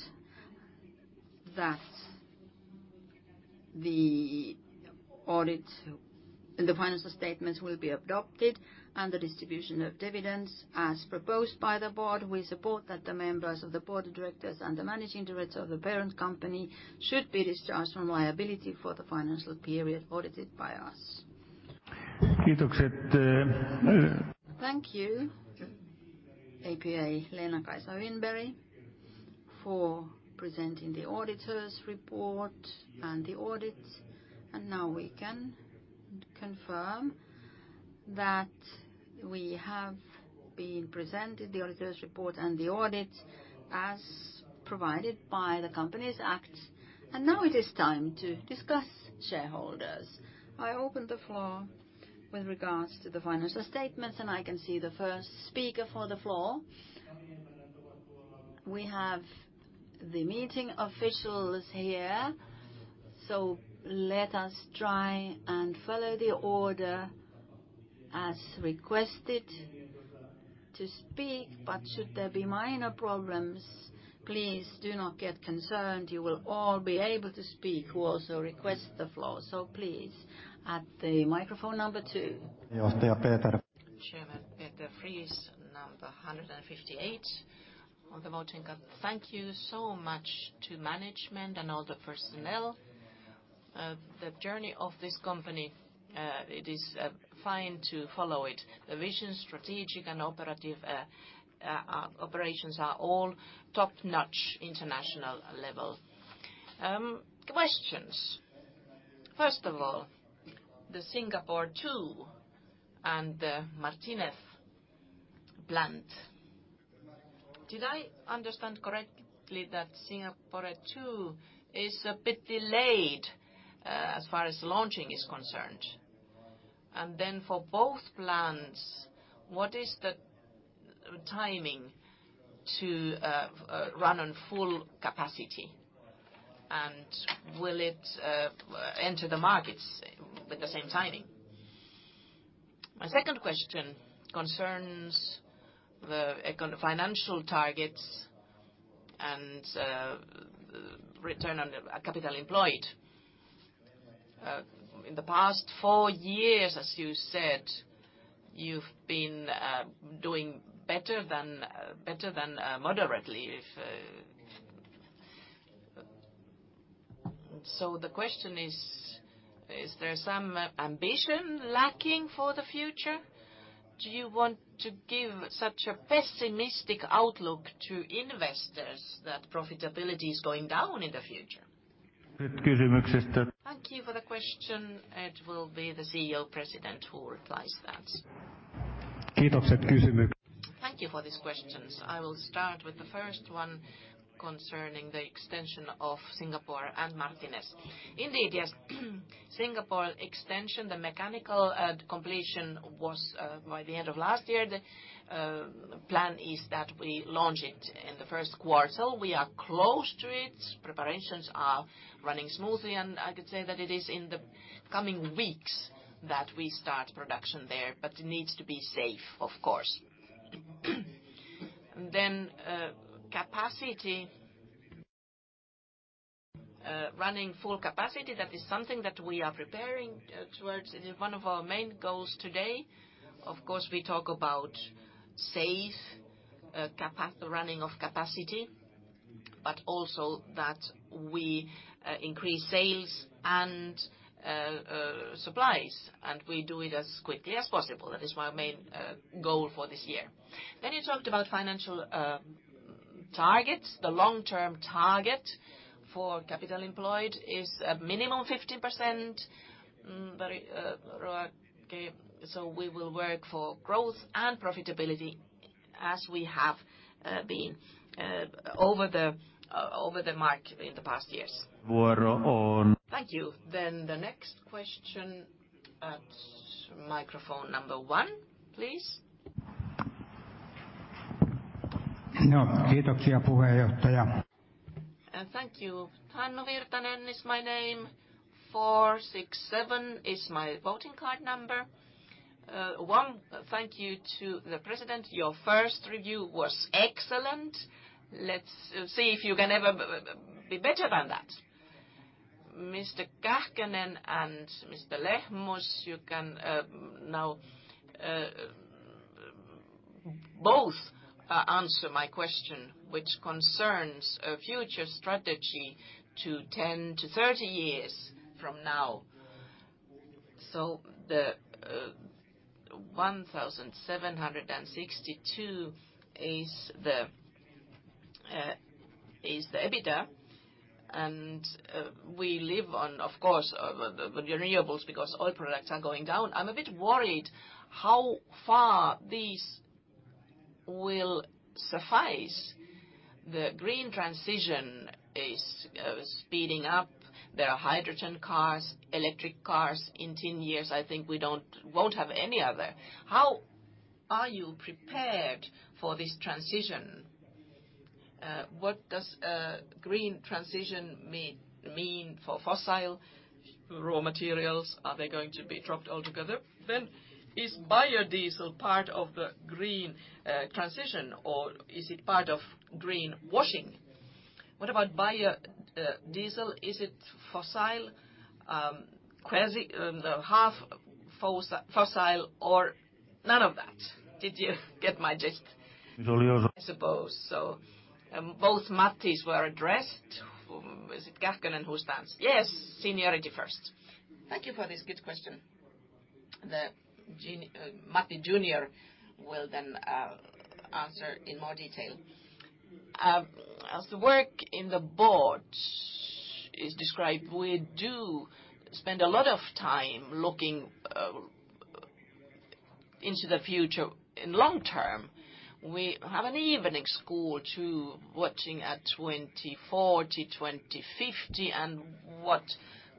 that the audit and the financial statements will be adopted and the distribution of dividends as proposed by the board. We support that the members of the board of directors and the managing director of the parent company should be discharged from liability for the financial period audited by us. Thank you, APA Leena-Kaisa Winberg, for presenting the auditor's report and the audit. Now we can confirm that we have been presented the auditor's report and the audit as provided by the Companies Act. Now it is time to discuss shareholders. I open the floor with regards to the financial statements, and I can see the first speaker for the floor. We have the meeting officials here, so let us try and follow the order as requested to speak. Should there be minor problems, please do not get concerned. You will all be able to speak who also request the floor. Please, at the microphone number two. Chairman Peter Frentz, number 158 on the voting card. Thank you so much to management and all the personnel. The journey of this company, it is fine to follow it. The vision, strategic and operative operations are all top-notch international level. Questions. First of all, the Singapore Two and the Martinez plant. Did I understand correctly that Singapore Two is a bit delayed as far as launching is concerned? For both plants, what is the timing to run on full capacity, and will it enter the markets with the same timing? My second question concerns the financial targets and return on capital employed. In the past four years, as you said, you've been doing better than moderately. If. The question is: Is there some ambition lacking for the future? Do you want to give such a pessimistic outlook to investors that profitability is going down in the future? Thank you for the question. It will be the CEO President who replies that. Kiitokset, kysymys. Thank you for these questions. I will start with the first one concerning the extension of Singapore and Martinez. Indeed, yes. Singapore extension, the mechanical completion was by the end of last year. The plan is that we launch it in the first quarter. We are close to it. Preparations are running smoothly, and I could say that it is in the coming weeks that we start production there, but it needs to be safe, of course. Capacity. Running full capacity, that is something that we are preparing towards. It is one of our main goals today. Of course, we talk about safe running of capacity, but also that we increase sales and supplies, and we do it as quickly as possible. That is my main goal for this year. You talked about financial targets. The long-term target for capital employed is a minimum 50%. Very okay, so we will work for growth and profitability as we have been over the mark in the past years. Vuoro on. Thank you. The next question at microphone number one, please. Joo. Kiitoksia, puheenjohtaja. Thank you. Hannu Virtanen is my name. 467 is my voting card number. One, thank you to the president. Your first review was excellent. Let's see if you can ever be better than that. Mr. Kähkönen and Mr. Lehmus, you can now both answer my question, which concerns a future strategy 10-30 years from now. The €1,762 is the EBITDA, and we live on, of course, on the renewables because oil products are going down. I'm a bit worried how far these will suffice. The green transition is speeding up. There are hydrogen cars, electric cars. In 10 years, I think we don't, won't have any other. How are you prepared for this transition? What does a green transition mean for fossil raw materials? Are they going to be dropped altogether? Is biodiesel part of the green transition, or is it part of greenwashing? What about biodiesel? Is it fossil? Quasi, the half fossil or none of that? Did you get my gist? I suppose so. Both Mattis were addressed. Was it Kähkönen who stands? Yes, seniority first. Thank you for this good question. Matti Junior will answer in more detail. As the work in the board is described, we do spend a lot of time looking into the future in long term. We have an evening school to watching at 2040, 2050, and what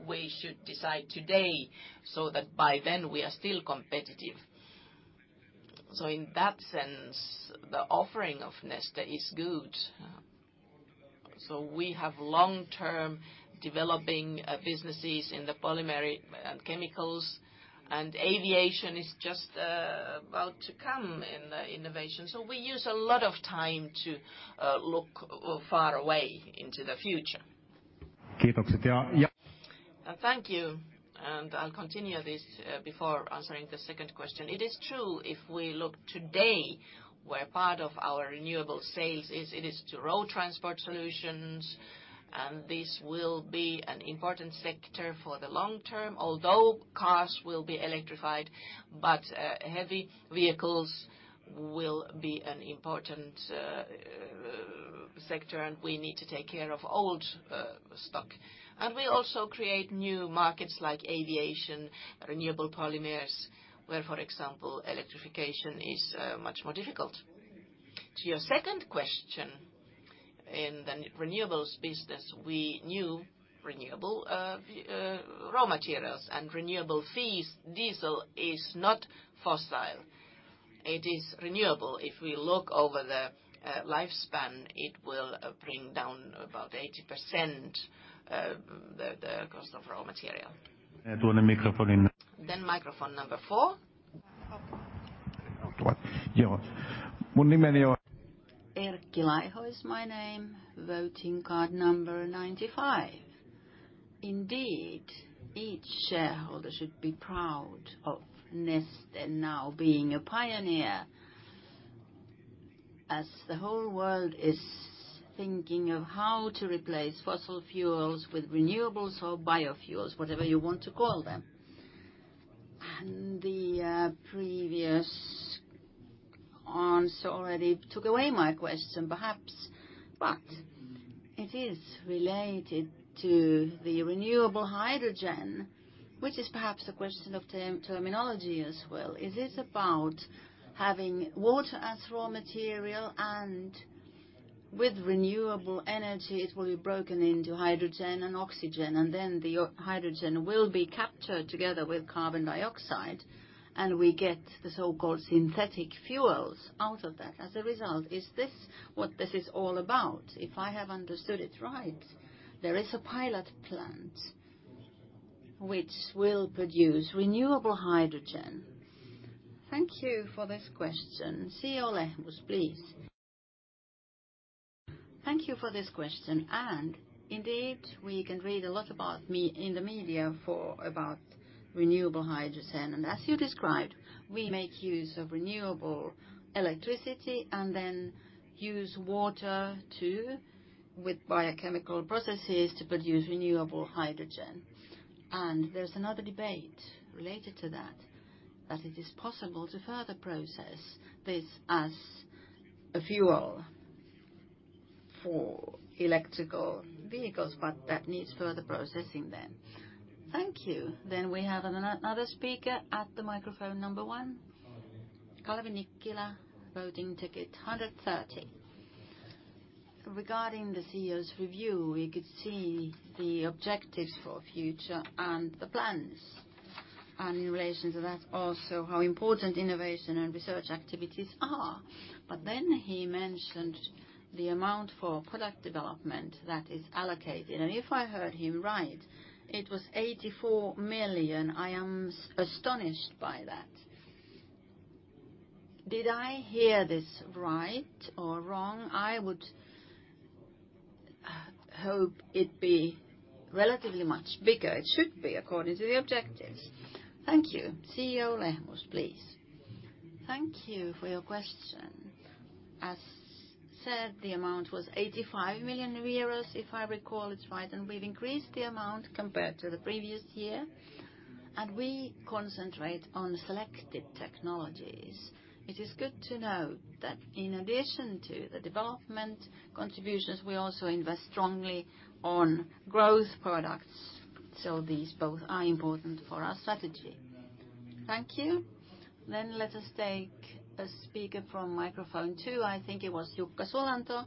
we should decide today so that by then we are still competitive. In that sense, the offering of Neste is good. We have long-term developing businesses in the polymeric chemicals, and aviation is just about to come in innovation. Thank you, and I'll continue this before answering the second question. It is true, if we look today, where part of our renewable sales is, it is to road transport solutions, and this will be an important sector for the long term. Although cars will be electrified, but heavy vehicles will be an important sector, and we need to take care of old stock. We also create new markets like aviation, renewable polymers, where, for example, electrification is much more difficult. To your second question, in the renewables business, we knew renewable raw materials and renewable fees. Diesel is not fossil. It is renewable. If we look over the lifespan, it will bring down about 80% the cost of raw material. Tuonne mikrofoniin. Microphone number 4. Erkki Laiho is my name, voting card number 95. Each shareholder should be proud of Neste now being a pioneer, as the whole world is thinking of how to replace fossil fuels with renewables or biofuels, whatever you want to call them. The previous answer already took away my question perhaps, but it is related to the renewable hydrogen, which is perhaps a question of terminology as well. Is this about having water as raw material and with renewable energy, it will be broken into hydrogen and oxygen, and then the hydrogen will be captured together with carbon dioxide, and we get the so-called synthetic fuels out of that as a result. Is this what this is all about? If I have understood it right, there is a pilot plant which will produce renewable hydrogen. Thank you for this question. CEO Lehmus, please. Thank you for this question. Indeed, we can read a lot in the media for about renewable hydrogen. As you described, we make use of renewable electricity and then use water too with biochemical processes to produce renewable hydrogen. There's another debate related to that it is possible to further process this as a fuel for electrical vehicles, but that needs further processing then. Thank you. We have another speaker at the microphone number one. Calvin Nikkila, voting ticket 130. Regarding the CEO's review, we could see the objectives for future and the plans. In relation to that also how important innovation and research activities are. He mentioned the amount for product development that is allocated. If I heard him right, it was €84 million. I am astonished by that. Did I hear this right or wrong? I would hope it'd be relatively much bigger. It should be according to the objectives. Thank you. CEO Lehmus, please. Thank you for your question. As said, the amount was €85 million, if I recall it right, we've increased the amount compared to the previous year. We concentrate on selected technologies. It is good to know that in addition to the development contributions, we also invest strongly on growth products. These both are important for our strategy. Thank you. Let us take a speaker from microphone 2. I think it was Jukka Solanto,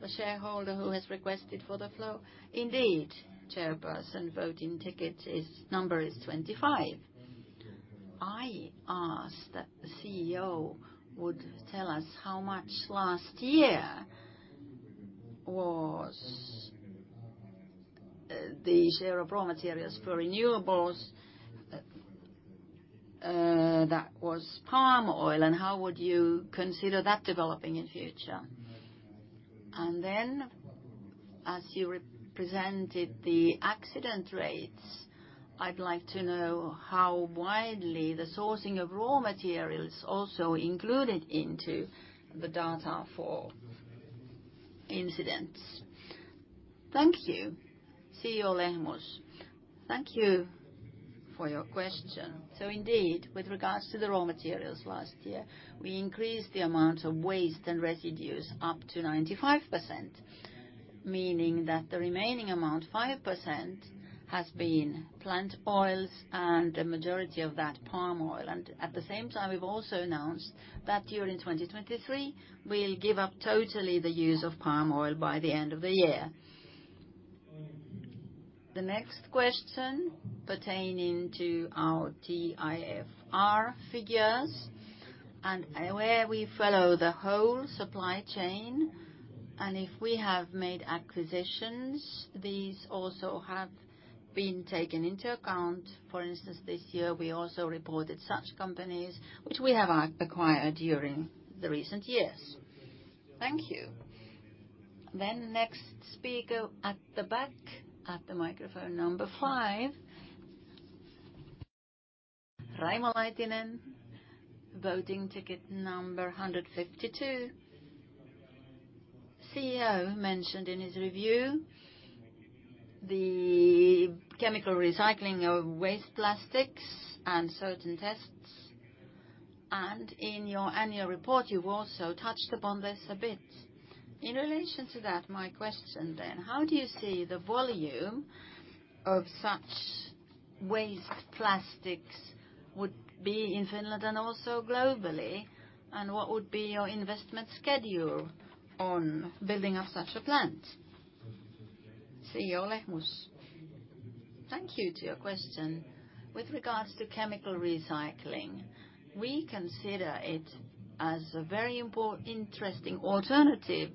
the shareholder who has requested for the floor. Indeed, Chairperson. Voting ticket is, number is 25. I asked that the CEO would tell us how much last year was the share of raw materials for renewables that was palm oil, how would you consider that developing in future? As you represented the accident rates, I'd like to know how widely the sourcing of raw materials also included into the data for incidents. Thank you. CEO Lehmus. Thank you for your question. Indeed, with regards to the raw materials last year, we increased the amount of waste and residues up to 95%, meaning that the remaining amount, 5%, has been plant oils and the majority of that palm oil. At the same time, we've also announced that during 2023, we'll give up totally the use of palm oil by the end of the year. The next question pertaining to our DIFR figures and where we follow the whole supply chain. If we have made acquisitions, these also have been taken into account. For instance, this year we also reported such companies which we have acquired during the recent years. Thank you. Next speaker at the back, at the microphone number 5. Raimo Laitinen, voting ticket number 152. CEO mentioned in his review the chemical recycling of waste plastics and certain tests. In your annual report, you've also touched upon this a bit. In relation to that, my question then, how do you see the volume of such waste plastics would be in Finland and also globally? What would be your investment schedule on building up such a plant? CEO Lehmus. Thank you to your question. With regards to chemical recycling, we consider it as a very interesting alternative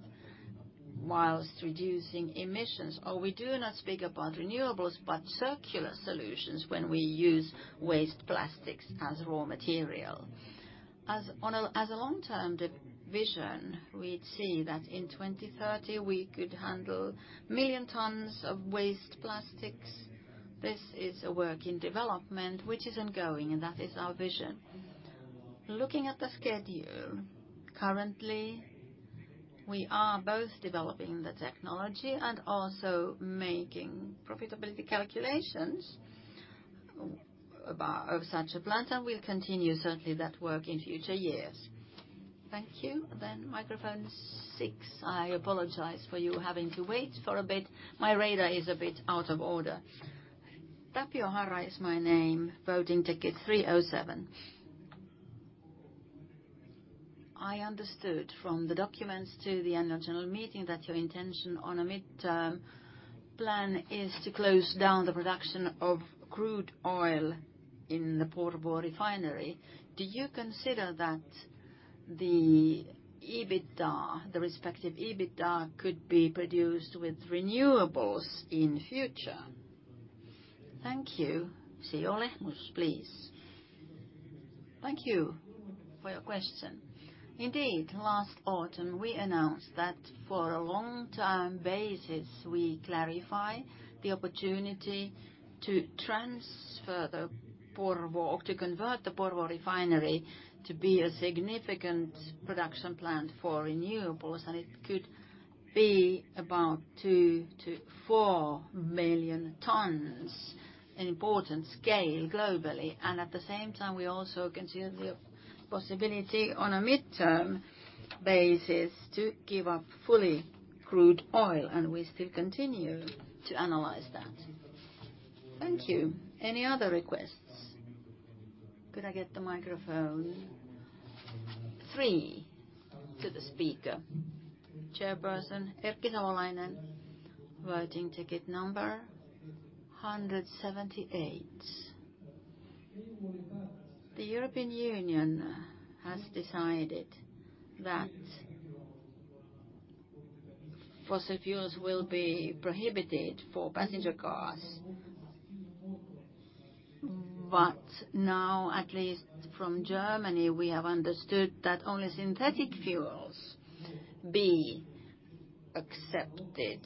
whilst reducing emissions, or we do not speak about renewables, but circular solutions when we use waste plastics as raw material. As a long-term vision, we'd see that in 2030, we could handle million tons of waste plastics. This is a work in development which is ongoing, and that is our vision. Looking at the schedule, currently, we are both developing the technology and also making profitability calculations of such a plant, and we'll continue certainly that work in future years. Thank you. Microphone 6. I apologize for you having to wait for a bit. My radar is a bit out of order. Tapio Harra is my name, voting ticket 307. I understood from the documents to the annual general meeting that your intention on a midterm plan is to close down the production of crude oil in the Porvoo refinery. Do you consider that the EBITDA, the respective EBITDA could be produced with renewables in future? Thank you. CEO Lehmus, please. Thank you for your question. Indeed, last autumn, we announced that for a long-term basis, we clarify the opportunity to transfer the Porvoo or to convert the Porvoo refinery to be a significant production plant for renewables, and it could be about 2 to 4 million tons, an important scale globally. At the same time, we also consider the possibility on a midterm basis to give up fully crude oil. We still continue to analyze that. Thank you. Any other requests? Could I get the microphone 3 to the speaker. Chairperson, Erkki Savolainen, voting ticket number 178. The European Union has decided that fossil fuels will be prohibited for passenger cars. Now, at least from Germany, we have understood that only synthetic fuels be accepted.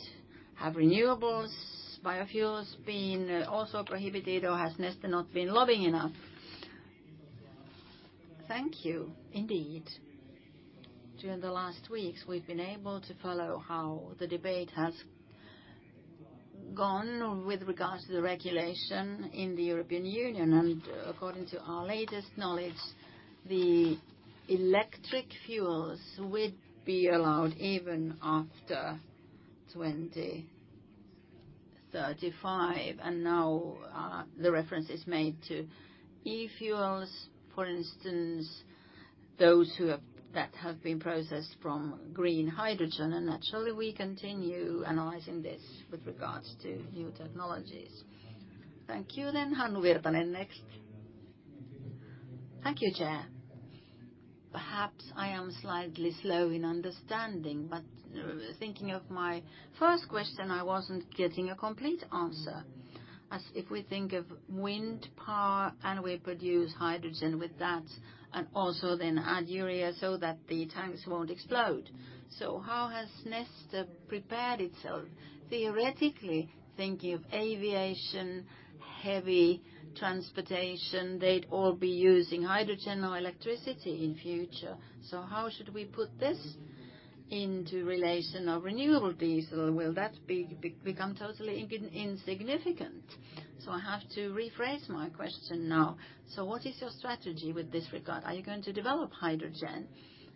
Have renewables, biofuels been also prohibited, or has Neste not been lobbying enough? Thank you. Indeed, during the last weeks, we've been able to follow how the debate has gone with regards to the regulation in the European Union. According to our latest knowledge, the electric fuels would be allowed even after 2035. Now, the reference is made to e-fuels, for instance, those that have been processed from green hydrogen. Naturally, we continue analyzing this with regards to new technologies. Thank you. Hannu Virtanen next. Thank you, Chair. Perhaps I am slightly slow in understanding, but thinking of my first question, I wasn't getting a complete answer. As if we think of wind power and we produce hydrogen with that and also then add urea so that the tanks won't explode. How has Neste prepared itself theoretically, thinking of aviation, heavy transportation, they'd all be using hydrogen or electricity in future? How should we put this into relation of renewable diesel? Will that become totally insignificant? I have to rephrase my question now. What is your strategy with this regard? Are you going to develop hydrogen?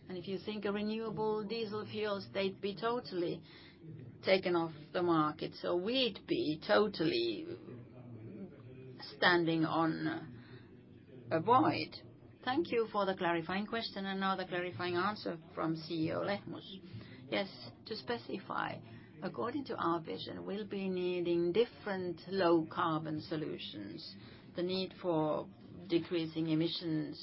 If you think of renewable diesel fuels, they'd be totally taken off the market. We'd be totally standing on a void. Thank you for the clarifying question and now the clarifying answer from CEO Lehmus. Yes, to specify, according to our vision, we'll be needing different low-carbon solutions. The need for decreasing emissions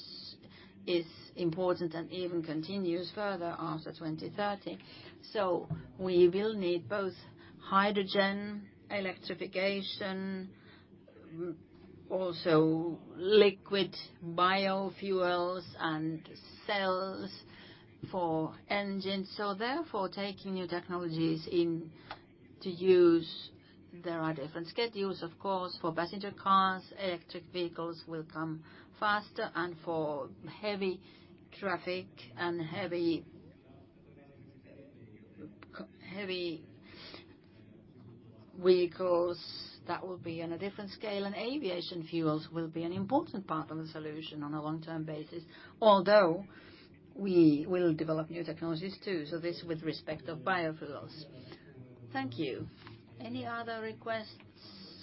is important and even continues further after 2030. We will need both hydrogen, electrification, also liquid biofuels and cells for engines. Therefore, taking new technologies in to use, there are different schedules, of course. For passenger cars, electric vehicles will come faster, and for heavy traffic and heavy vehicles, that will be on a different scale, and aviation fuels will be an important part of the solution on a long-term basis, although we will develop new technologies too. This with respect of biofuels. Thank you. Any other requests?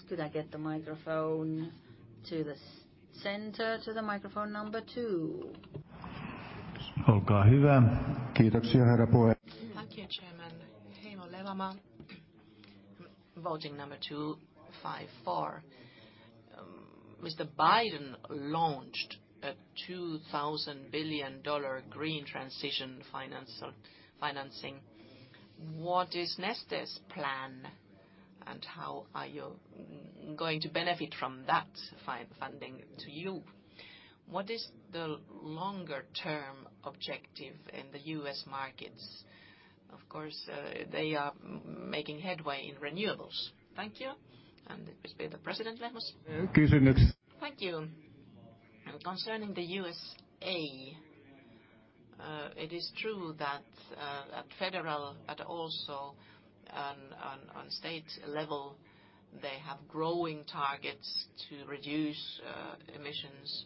Could I get the microphone to the center, to the microphone number two. Thank you, Chairman. Heimo Lehtomaa, voting number 254. Mr. Biden launched a $2 trillion green transition finance or financing. What is Neste's plan, and how are you going to benefit from that funding to you? What is the longer-term objective in the US markets? Of course, they are making headway in renewables. Thank you. It will be the President Lehmus. Thank you. Concerning the USA, it is true that at federal, also on state level, they have growing targets to reduce emissions.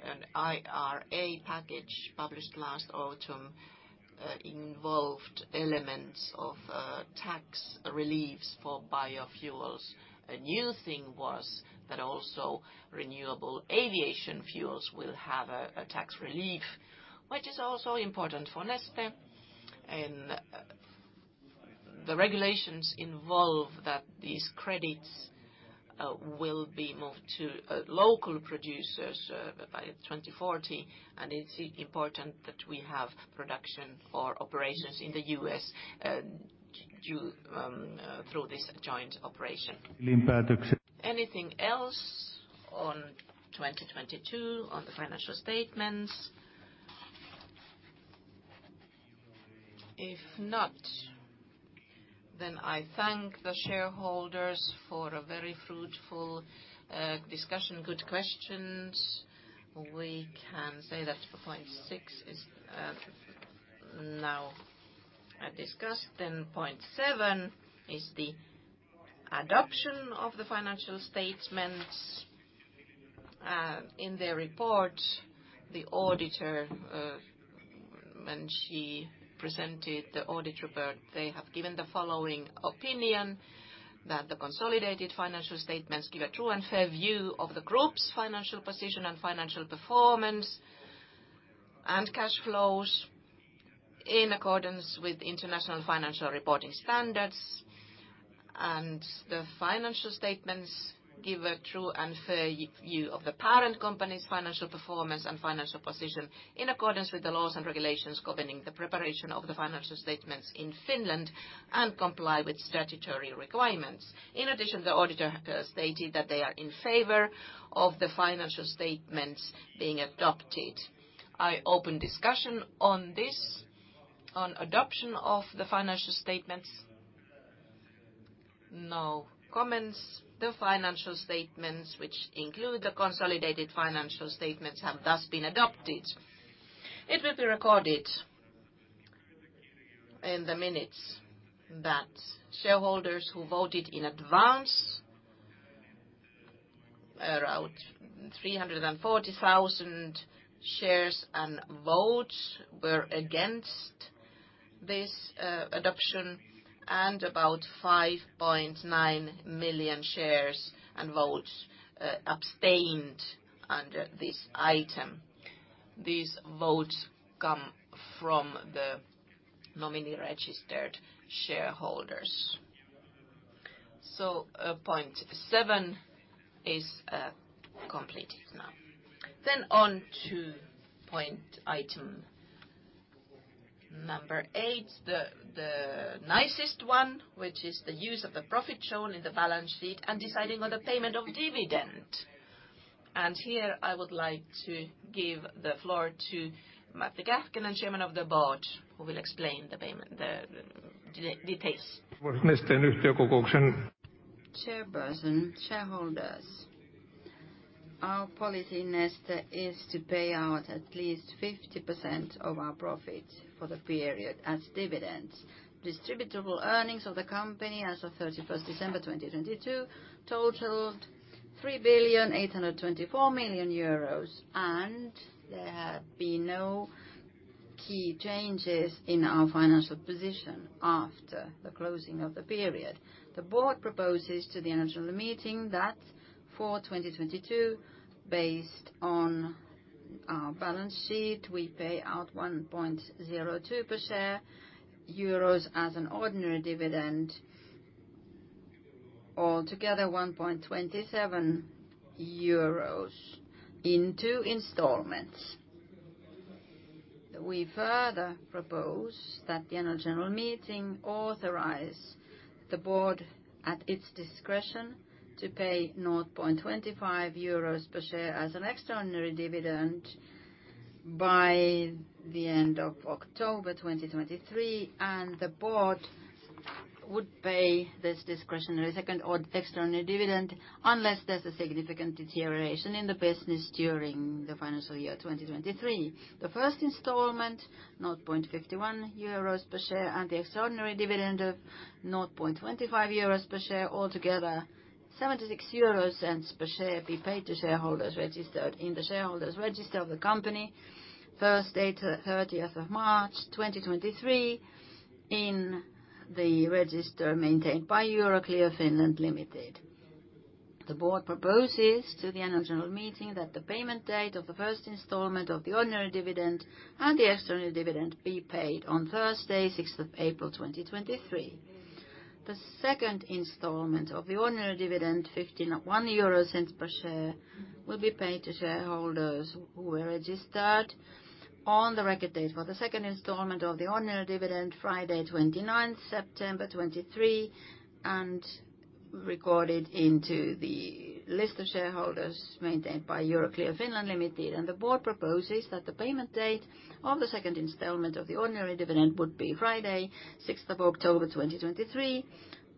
An IRA package published last autumn involved elements of tax reliefs for biofuels. A new thing was that also renewable aviation fuels will have a tax relief, which is also important for Neste. The regulations involve that these credits will be moved to local producers by 2040, and it's important that we have production for operations in the US through this joint operation. Anything else on 2022, on the financial statements? If not, I thank the shareholders for a very fruitful discussion, good questions. We can say that point 6 is now discussed. Point 7 is the adoption of the financial statements. In their report, the auditor, when she presented the audit report, they have given the following opinion that the consolidated financial statements give a true and fair view of the group's financial position and financial performance and cash flows in accordance with International Financial Reporting Standards. The financial statements give a true and fair view of the parent company's financial performance and financial position in accordance with the laws and regulations governing the preparation of the financial statements in Finland and comply with statutory requirements. In addition, the auditor stated that they are in favor of the financial statements being adopted. I open discussion on this, on adoption of the financial statements. No comments. The financial statements, which include the consolidated financial statements, have thus been adopted. It will be recorded in the minutes that shareholders who voted in advance, around 340,000 shares and votes, were against this adoption, and about 5.9 million shares and votes abstained under this item. These votes come from the nominee-registered shareholders. Point 7 is completed now. On to item number 8, the nicest one, which is the use of the profit shown in the balance sheet and deciding on the payment of dividend. Here, I would like to give the floor to Matti Kähkönen, Chairman of the Board, who will explain the payment, the details. Chairperson, shareholders, our policy in Neste is to pay out at least 50% of our profit for the period as dividends. Distributable earnings of the company as of December 31st, 2022 totaled €3,824 million, and there have been no key changes in our financial position after the closing of the period. The board proposes to the annual general meeting that for 2022, based on our balance sheet, we pay out €1.02 per share as an ordinary dividend, all together €1.27 in two installments. We further propose that the annual general meeting authorize the board at its discretion to pay €0.25 per share as an extraordinary dividend by the end of October 2023. The board would pay this discretionary second or extraordinary dividend unless there's a significant deterioration in the business during the financial year 2023. The first installment, €0.51 per share, and the extraordinary dividend of €0.25 per share, altogether €0.76 per share be paid to shareholders registered in the shareholders' register of the company Thursday, March 30, 2023, in the register maintained by Euroclear Finland Oy. The board proposes to the annual general meeting that the payment date of the first installment of the ordinary dividend and the extraordinary dividend be paid on Thursday, April 6, 2023. The second installment of the ordinary dividend, €0.51 per share, will be paid to shareholders who were registered on the record date for the second installment of the ordinary dividend, Friday, 29th September 2023, and recorded into the list of shareholders maintained by Euroclear Finland Oy. The board proposes that the payment date of the second installment of the ordinary dividend would be Friday, 6th of October, 2023,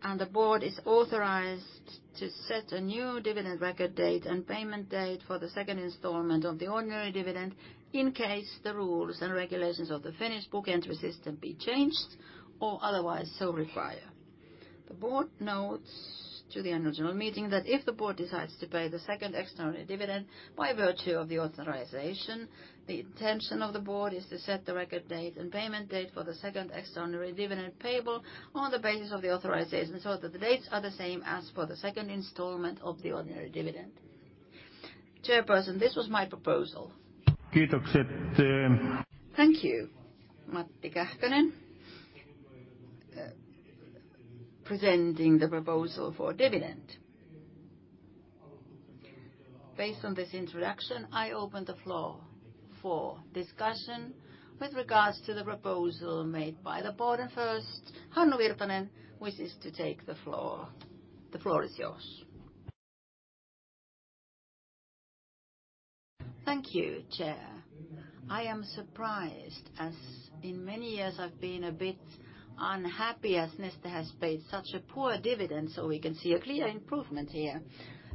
and the board is authorized to set a new dividend record date and payment date for the second installment of the ordinary dividend in case the rules and regulations of the Finnish book entry system be changed or otherwise so require. The board notes to the annual general meeting that if the board decides to pay the second extraordinary dividend by virtue of the authorization, the intention of the board is to set the record date and payment date for the second extraordinary dividend payable on the basis of the authorization, so that the dates are the same as for the second installment of the ordinary dividend. Chairperson, this was my proposal. Thank you, Matti Kähkönen, presenting the proposal for dividend. Based on this introduction, I open the floor for discussion with regards to the proposal made by the board. First, Hannu Virtanen wishes to take the floor. The floor is yours. Thank you, Chair. I am surprised, as in many years I've been a bit unhappy as Neste has paid such a poor dividend, so we can see a clear improvement here.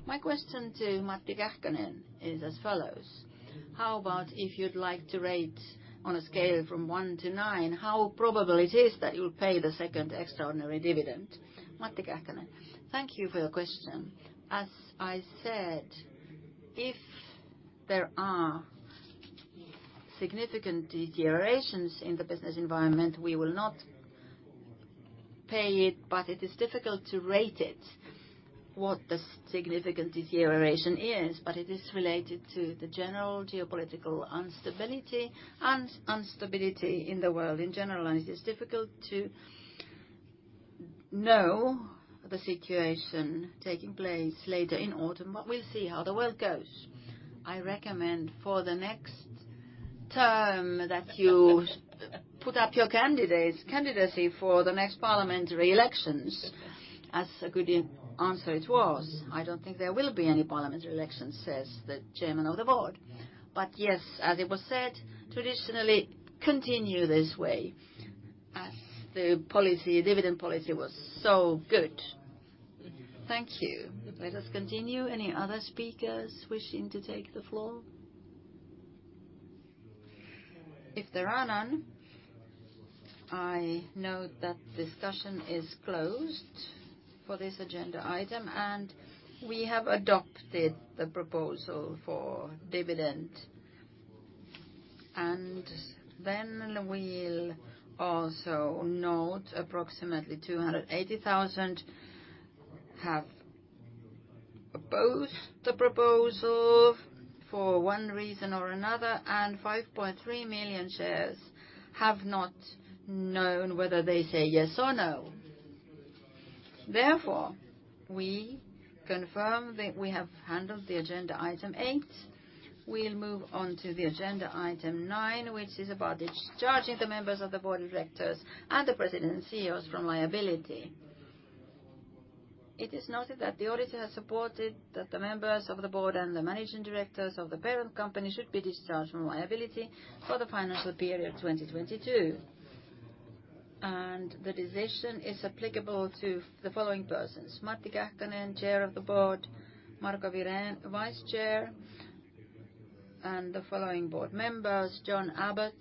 My question to Matti Kähkönen is as follows: how about if you'd like to rate on a scale from one to nine, how probable it is that you'll pay the second extraordinary dividend, Matti Kähkönen? Thank you for the question. As I said, if there are significant deteriorations in the business environment, we will not pay it, but it is difficult to rate it what the significant deterioration is. It is related to the general geopolitical instability and instability in the world in general. It is difficult to know the situation taking place later in autumn, but we'll see how the world goes. I recommend for the next term that you put up your candidates, candidacy for the next parliamentary elections. As a good answer it was. I don't think there will be any parliamentary elections, says the Chairman of the Board. Yes, as it was said, traditionally continue this way as the policy, dividend policy was so good. Thank you. Let us continue. Any other speakers wishing to take the floor? If there are none, I note that discussion is closed for this agenda item, and we have adopted the proposal for dividend. We'll also note approximately 280,000 have opposed the proposal for one reason or another, and 5.3 million shares have not known whether they say yes or no. Therefore, we confirm that we have handled the agenda item eight. We'll move on to the agenda item nine, which is about discharging the members of the Board of Directors and the President and CEOs from liability. It is noted that the auditor has supported that the members of the Board and the managing directors of the parent company should be discharged from liability for the financial period of 2022. The decision is applicable to the following persons: Matti Kähkönen, Chair of the Board, Marco Wirén, Vice Chair, and the following Board members, John Abbott,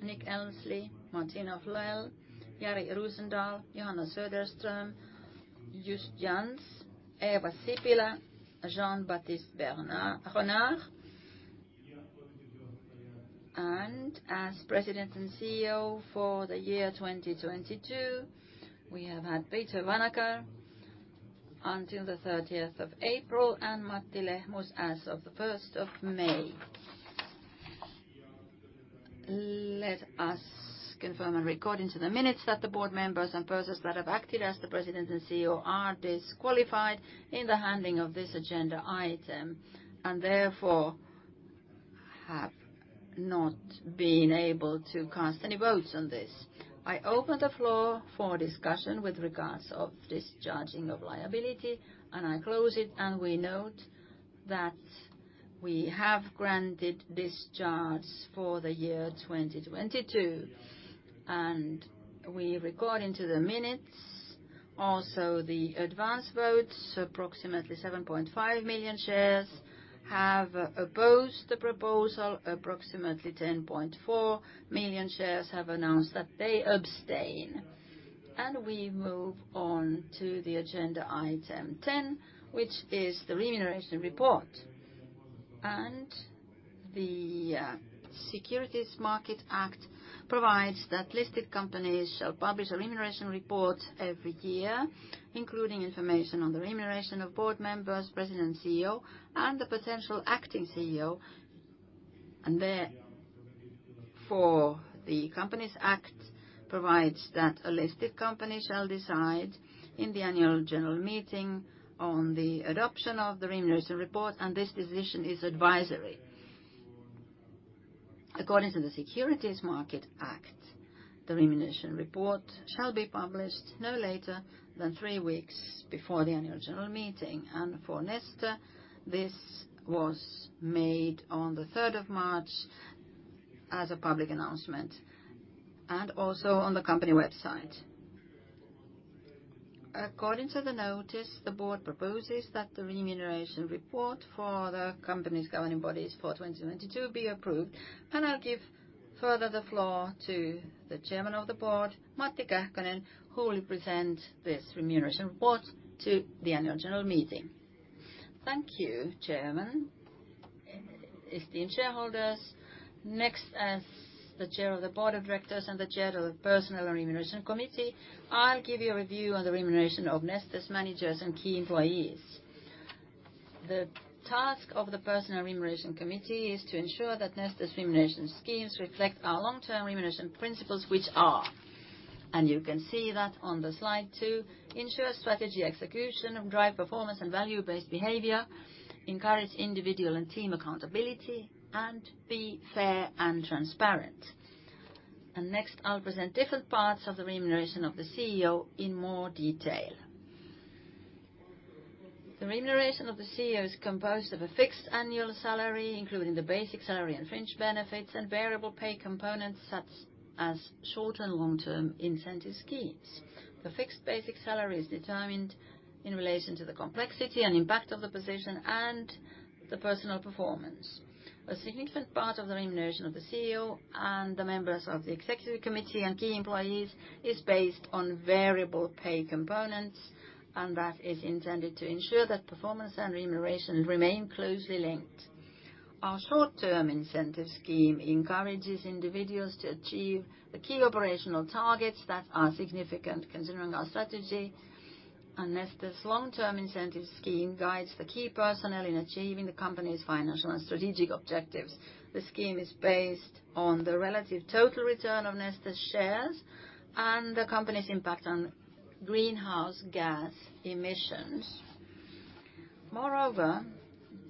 Nick Elmslie, Martina Flöel, Jari Rosendal, Johanna Söderström, Just Jansz, Eeva Sipilä, Jean-Baptiste Renard. As President and CEO for the year 2022, we have had Peter Vanacker until the 30th of April, and Matti Lehmus as of the 1st of May. Let us confirm and record into the minutes that the Board members and persons that have acted as the President and CEO are disqualified in the handling of this agenda item, and therefore have not been able to cast any votes on this. I open the floor for discussion with regards of discharging of liability, and I close it, and we note that we have granted discharge for the year 2022. We record into the minutes also the advance votes. Approximately 7.5 million shares have opposed the proposal. Approximately 10.4 million shares have announced that they abstain. We move on to the agenda item 10, which is the remuneration report. The Securities Markets Act provides that listed companies shall publish a remuneration report every year, including information on the remuneration of board members, President and CEO, and the potential acting CEO. Therefore, the Companies Act provides that a listed company shall decide in the annual general meeting on the adoption of the remuneration report, and this decision is advisory. According to the Securities Markets Act, the remuneration report shall be published no later than three weeks before the annual general meeting. For Neste, this was made on the 3rd of March. As a public announcement, and also on the company website. According to the notice, the Board proposes that the remuneration report for the company's governing bodies for 2022 be approved. I'll give further the floor to the Chairman of the Board, Matti Kähkönen, who will present this remuneration report to the annual general meeting. Thank you, Chairman. Esteemed shareholders. Next, as the Chair of the Board of Directors and the Chair of the Personnel and Remuneration Committee, I'll give you a review on the remuneration of Neste's managers and key employees. The task of the Personnel and Remuneration Committee is to ensure that Neste's remuneration schemes reflect our long-term remuneration principles, which are, you can see that on the slide too: ensure strategy execution, drive performance and value-based behavior, encourage individual and team accountability, and be fair and transparent. Next, I'll present different parts of the remuneration of the CEO in more detail. The remuneration of the CEO is composed of a fixed annual salary, including the basic salary and fringe benefits, and variable pay components such as short and long-term incentive schemes. The fixed basic salary is determined in relation to the complexity and impact of the position and the personal performance. A significant part of the remuneration of the CEO and the members of the executive committee and key employees is based on variable pay components. That is intended to ensure that performance and remuneration remain closely linked. Our short-term incentive scheme encourages individuals to achieve the key operational targets that are significant considering our strategy. Neste's long-term incentive scheme guides the key personnel in achieving the company's financial and strategic objectives. The scheme is based on the relative total return of Neste's shares and the company's impact on greenhouse gas emissions. Moreover,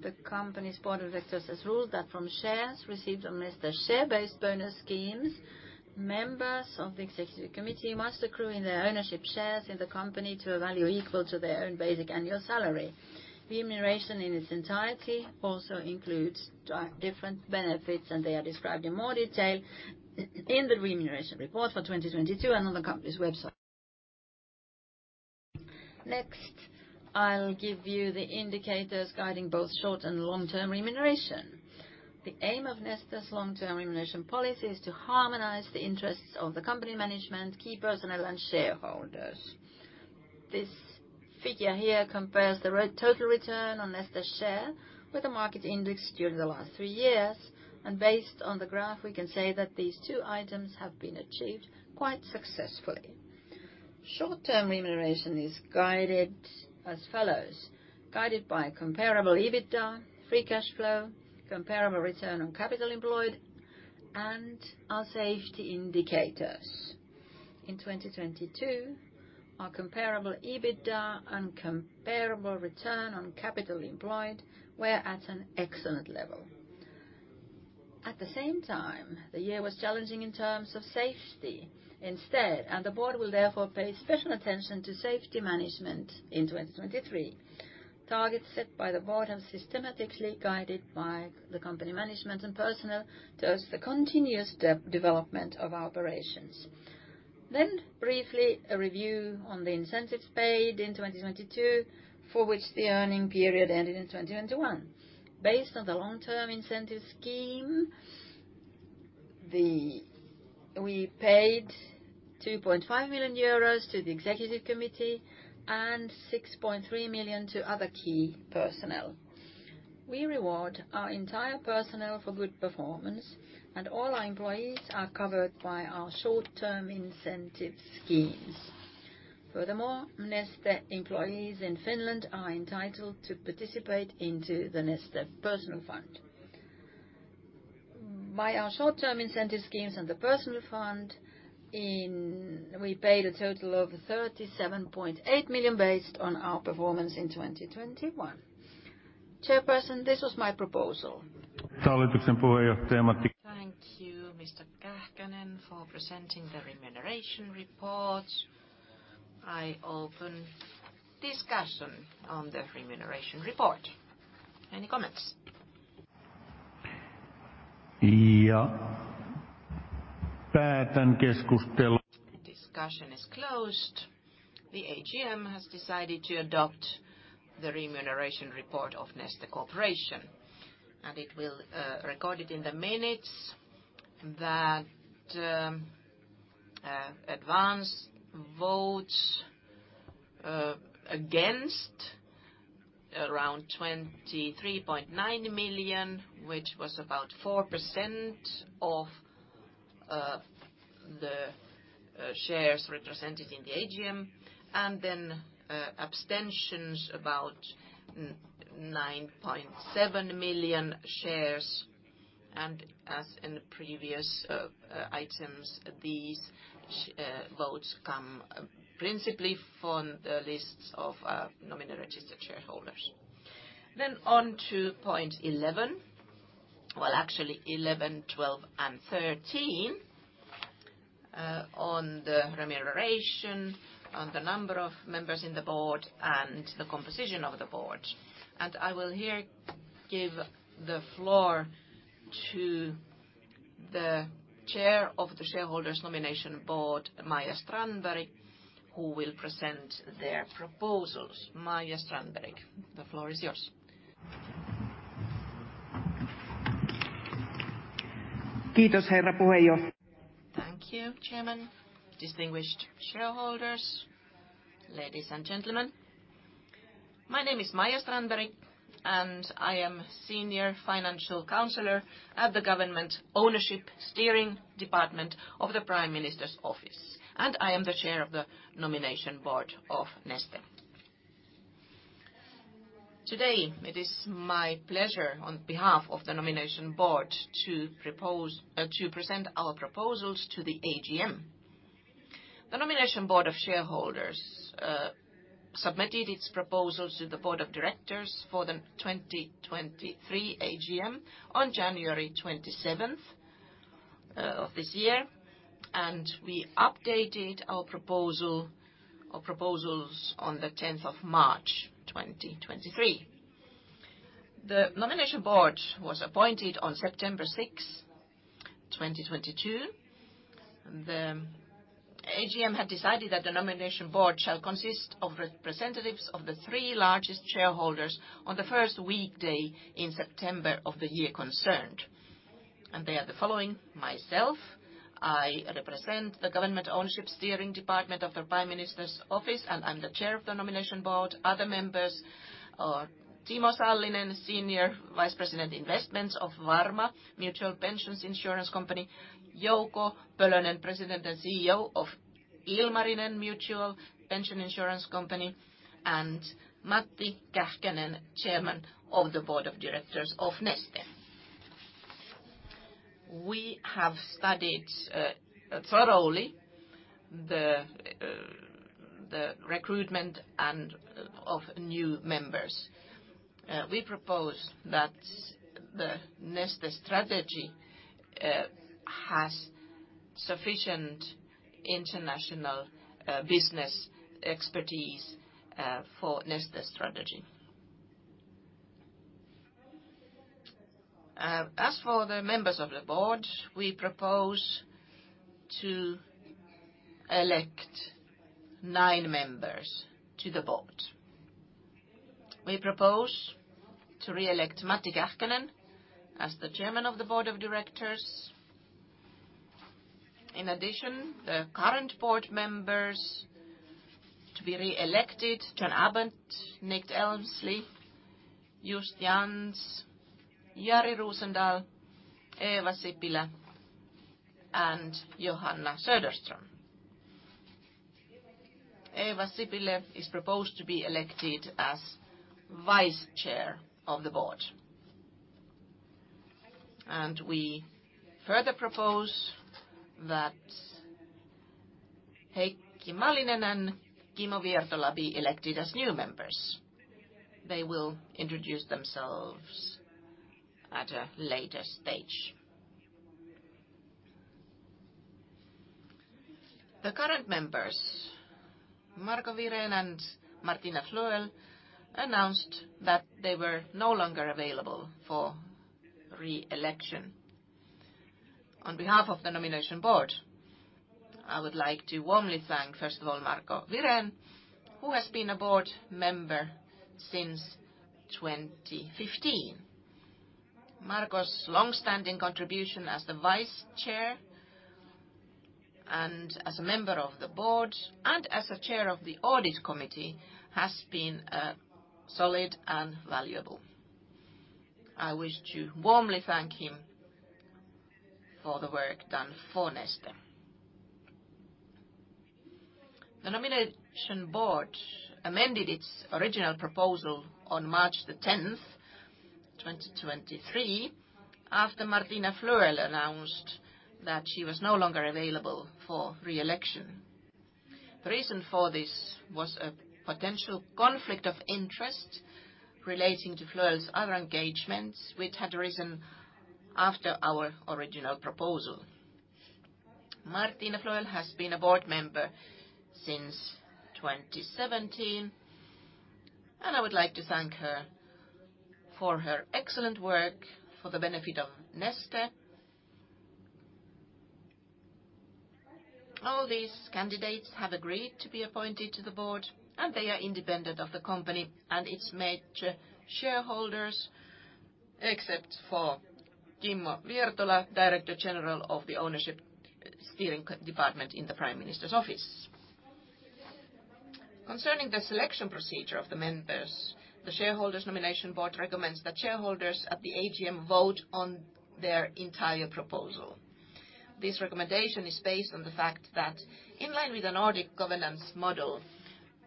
the company's Board of Directors has ruled that from shares received on Neste's share-based bonus schemes, members of the executive committee must accrue in their ownership shares in the company to a value equal to their own basic annual salary. Remuneration in its entirety also includes different benefits. They are described in more detail in the remuneration report for 2022 and on the company's website. Next, I'll give you the indicators guiding both short and long-term remuneration. The aim of Neste's long-term remuneration policy is to harmonize the interests of the company management, key personnel, and shareholders. This figure here compares the total return on Neste's share with the market index during the last 3 years. Based on the graph, we can say that these two items have been achieved quite successfully. Short-term remuneration is guided as follows: guided by comparable EBITDA, free cash flow, comparable return on capital employed, and our safety indicators. In 2022, our comparable EBITDA and comparable return on capital employed were at an excellent level. At the same time, the year was challenging in terms of safety instead, the board will therefore pay special attention to safety management in 2023. Targets set by the board and systematically guided by the company management and personnel towards the continuous development of our operations. Briefly, a review on the incentives paid in 2022, for which the earning period ended in 2021. Based on the long-term incentive scheme, we paid €2.5 million to the executive committee and €6.3 million to other key personnel. We reward our entire personnel for good performance, and all our employees are covered by our short-term incentive schemes. Furthermore, Neste employees in Finland are entitled to participate into the Neste Personnel Fund. By our short-term incentive schemes and the personal fund in... we paid a total of €37.8 million based on our performance in 2021. Chairperson, this was my proposal. Thank you, Mr. Kähkönen, for presenting the remuneration report. I open discussion on the remuneration report. Any comments? Discussion is closed. The AGM has decided to adopt the remuneration report of Neste Corporation, and it will record it in the minutes that advance votes against around €23.9 million, which was about 4% of the shares represented in the AGM, and then abstentions about 9.7 million shares. As in previous items, these votes come principally from the lists of nominal registered shareholders. On to point 11. Well, actually 11, 12, and 13. The remuneration, on the number of members in the board, and the composition of the board. I will here give the floor to the Chair of the Shareholders' Nomination Board, Maija Strandberg, who will present their proposals. Maija Strandberg, the floor is yours. Thank you, Chairman, distinguished shareholders, ladies and gentlemen. My name is Maija Strandberg, and I am Senior Financial Counselor at the Government Ownership Steering Department of the Prime Minister's Office, and I am the Chair of the Nomination Board of Neste. Today, it is my pleasure, on behalf of the Nomination Board, to present our proposals to the AGM. The Nomination Board of Shareholders submitted its proposals to the board of directors for the 2023 AGM on January 27th of this year, and we updated our proposal or proposals on the 10th of March, 2023. The Nomination Board was appointed on September 6, 2022. The AGM had decided that the Nomination Board shall consist of representatives of the 3 largest shareholders on the first weekday in September of the year concerned. They are the following. Myself, I represent the Government Ownership Steering Department of the Prime Minister's Office. I'm the chair of the Nomination Board. Other members are Timo Sallinen, Senior Vice President, Investments of Varma Mutual Pension Insurance Company, Jouko Pölönen, President and CEO of Ilmarinen Mutual Pension Insurance Company, and Matti Kähkönen, Chairman of the Board of Directors of Neste. We have studied thoroughly the recruitment and of new members. We propose that the Neste strategy has sufficient international business expertise for Neste strategy. As for the members of the board, we propose to elect 9 members to the board. We propose to re-elect Matti Kähkönen as the Chairman of the Board of Directors. In addition, the current board members to be re-elected, John Abbott, Nick Elmslie, Just Jansz, Jari Rosendal, Eeva Sipilä, and Johanna Söderström. Eeva Sipilä is proposed to be elected as Vice Chair of the board. We further propose that Heikki Malinen and Kimmo Viertola be elected as new members. They will introduce themselves at a later stage. The current members, Marco Wirén and Martina Flöel, announced that they were no longer available for re-election. On behalf of the Nomination Board, I would like to warmly thank, first of all, Marco Wirén, who has been a board member since 2015. Marco's long-standing contribution as the vice chair and as a member of the board and as a chair of the audit committee has been solid and valuable. I wish to warmly thank him for the work done for Neste. The Nomination Board amended its original proposal on March 10, 2023, after Martina Flöel announced that she was no longer available for re-election. The reason for this was a potential conflict of interest relating to Flöel's other engagements, which had arisen after our original proposal. Martina Flöel has been a board member since 2017, and I would like to thank her for her excellent work for the benefit of Neste. All these candidates have agreed to be appointed to the board, and they are independent of the company and its major shareholders, except for Kimmo Viertola, Director General of the Ownership Steering Department in the Prime Minister's Office. Concerning the selection procedure of the members, the Shareholders' Nomination Board recommends that shareholders at the AGM vote on their entire proposal. This recommendation is based on the fact that in line with the Nordic Governance Model,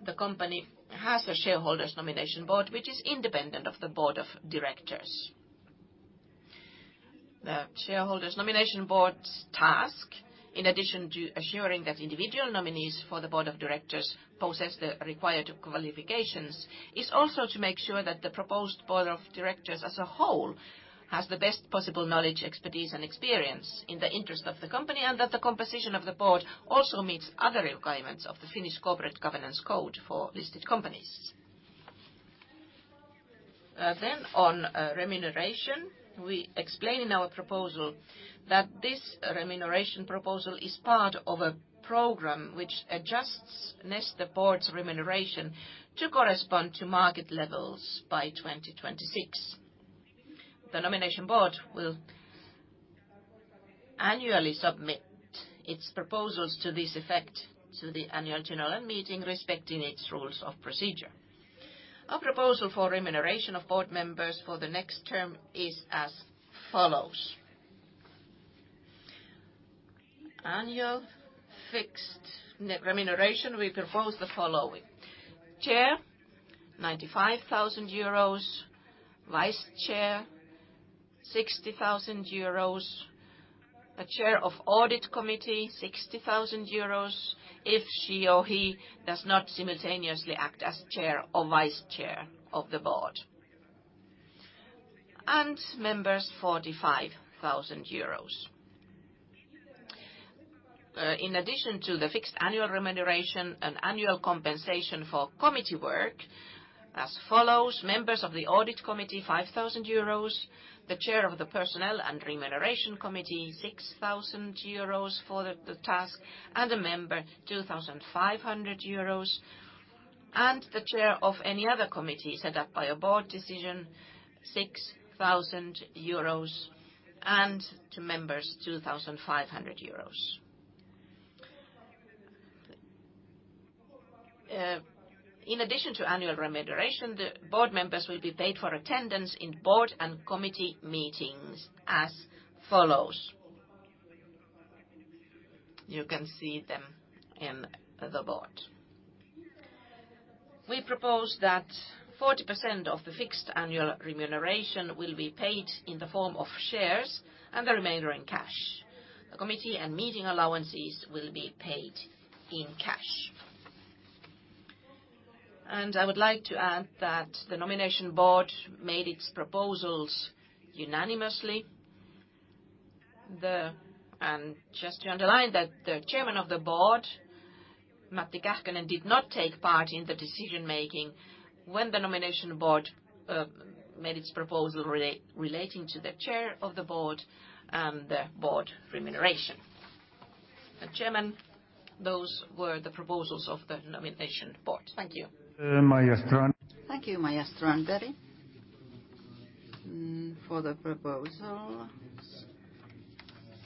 the company has a Shareholders' Nomination Board, which is independent of the Board of Directors. The Shareholders' Nomination Board's task, in addition to assuring that individual nominees for the Board of Directors possess the required qualifications, is also to make sure that the proposed Board of Directors as a whole has the best possible knowledge, expertise, and experience in the interest of the company and that the composition of the board also meets other requirements of the Finnish Corporate Governance Code for listed companies. On remuneration, we explain in our proposal that this remuneration proposal is part of a program which adjusts Neste, the board's remuneration, to correspond to market levels by 2026. The nomination board will annually submit its proposals to this effect to the annual general meeting respecting its rules of procedure. Our proposal for remuneration of board members for the next term is as follows: annual fixed re-remuneration, we propose the following: Chair, €95,000, Vice Chair, €60,000, a Chair of Audit Committee, €60,000, if she or he does not simultaneously act as Chair or Vice Chair of the board, and members, €45,000. In addition to the fixed annual remuneration, an annual compensation for committee work as follows: members of the Audit Committee, €5,000, the Chair of the Personnel and Remuneration Committee, €,000 for the task, and a member, €2,500, and the chair of any other committee set up by a board decision, €6,000, and to members, €2,500. In addition to annual remuneration, the board members will be paid for attendance in board and committee meetings as follows. You can see them in the board. We propose that 40% of the fixed annual remuneration will be paid in the form of shares and the remainder in cash. The committee and meeting allowances will be paid in cash. I would like to add that the Nomination Board made its proposals unanimously. Just to underline that the Chairman of the Board, Matti Kähkönen, did not take part in the decision-making when the Nomination Board made its proposal relating to the Chair of the Board and the Board remuneration. Chairman, those were the proposals of the Nomination Board. Thank you. Thank you, Maija Strandberg for the proposals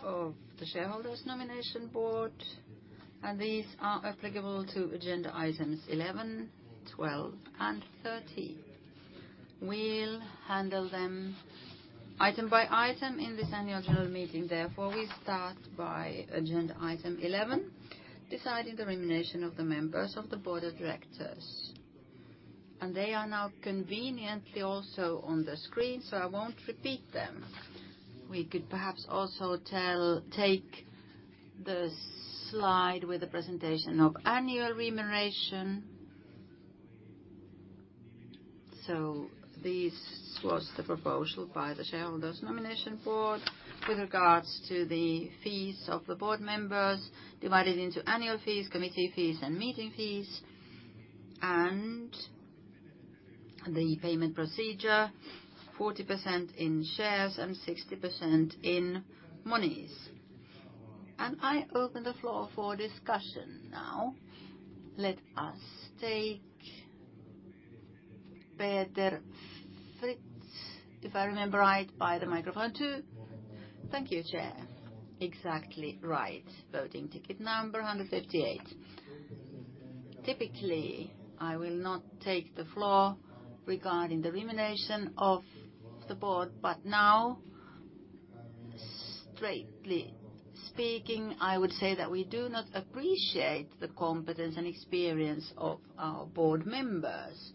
of the Shareholders' Nomination Board, and these are applicable to agenda items 11, 12, and 13. We'll handle them item by item in this Annual General Meeting. Therefore, we start by agenda item 11, deciding the remuneration of the members of the Board of Directors. They are now conveniently also on the screen, so I won't repeat them. We could perhaps also take the slide with the presentation of annual remuneration. This was the proposal by the Shareholders' Nomination Board with regards to the fees of the board members divided into annual fees, committee fees, and meeting fees, and the payment procedure, 40% in shares and 60% in monies. I open the floor for discussion now. Let us take Peter Fritz, if I remember right, by the microphone two. Thank you, Chair. Exactly right. Voting ticket number 158. Typically, I will not take the floor regarding the remuneration of the board, now, strictly speaking, I would say that we do not appreciate the competence and experience of our board members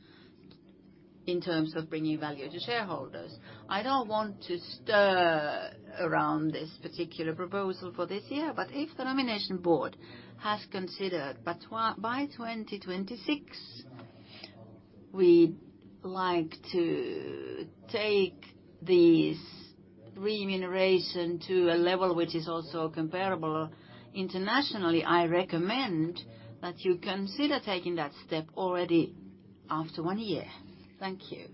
in terms of bringing value to shareholders. I don't want to stir around this particular proposal for this year, if the Nomination Board has considered by 2026, we'd like to take this remuneration to a level which is also comparable internationally. I recommend that you consider taking that step already after 1 year. Thank you.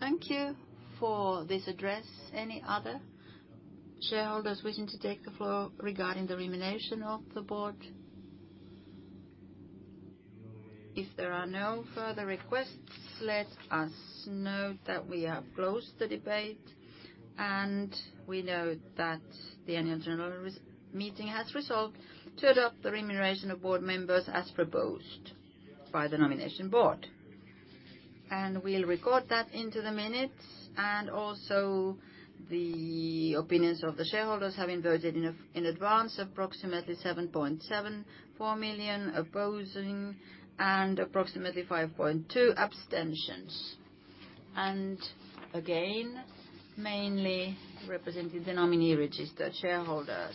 Thank you for this address. Any other shareholders wishing to take the floor regarding the remuneration of the Board? If there are no further requests, let us note that we have closed the debate, we note that the annual general meeting has resolved to adopt the remuneration of Board members as proposed by the Nomination Board. We'll record that into the minutes and also the opinions of the shareholders having voted in advance, approximately 7.74 million opposing and approximately 5.2 abstentions. Again, mainly representing the nominee registered shareholders.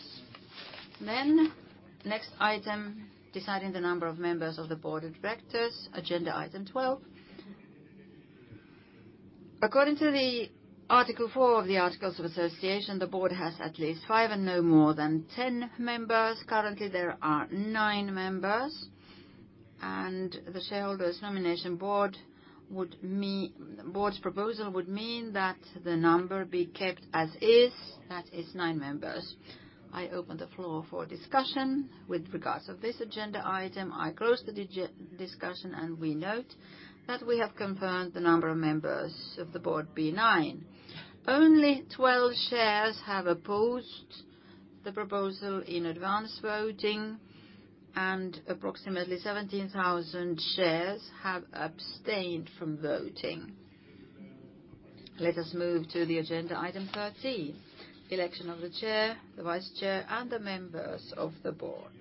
Next item, deciding the number of members of the Board of Directors, agenda item 12. According to the Article 4 of the Articles of Association, the board has at least 5 and no more than 10 members. Currently, there are 9 members, and the Shareholders' Nomination Board's proposal would mean that the number be kept as is. That is 9 members. I open the floor for discussion with regards to this agenda item. I close the discussion. We note that we have confirmed the number of members of the board be 9. Only 12 shares have opposed the proposal in advance voting. Approximately 17,000 shares have abstained from voting. Let us move to the agenda item 13: election of the Chair, the Vice Chair, and the members of the board.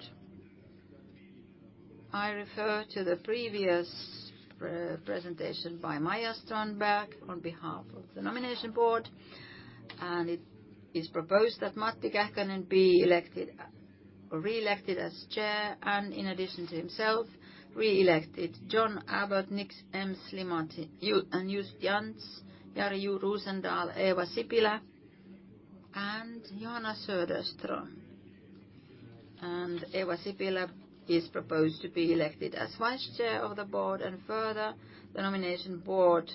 I refer to the previous pre-presentation by Maija Strandberg on behalf of the nomination board, and it is proposed that Matti Kähkönen be elected, re-elected as chair and in addition to himself re-elect John Abbott, Nick Elmslie, and Just Jansz, Jari Rosendal, Eeva Sipilä, and Johanna Söderström. Eeva Sipilä is proposed to be elected as vice chair of the board, and further, the nomination board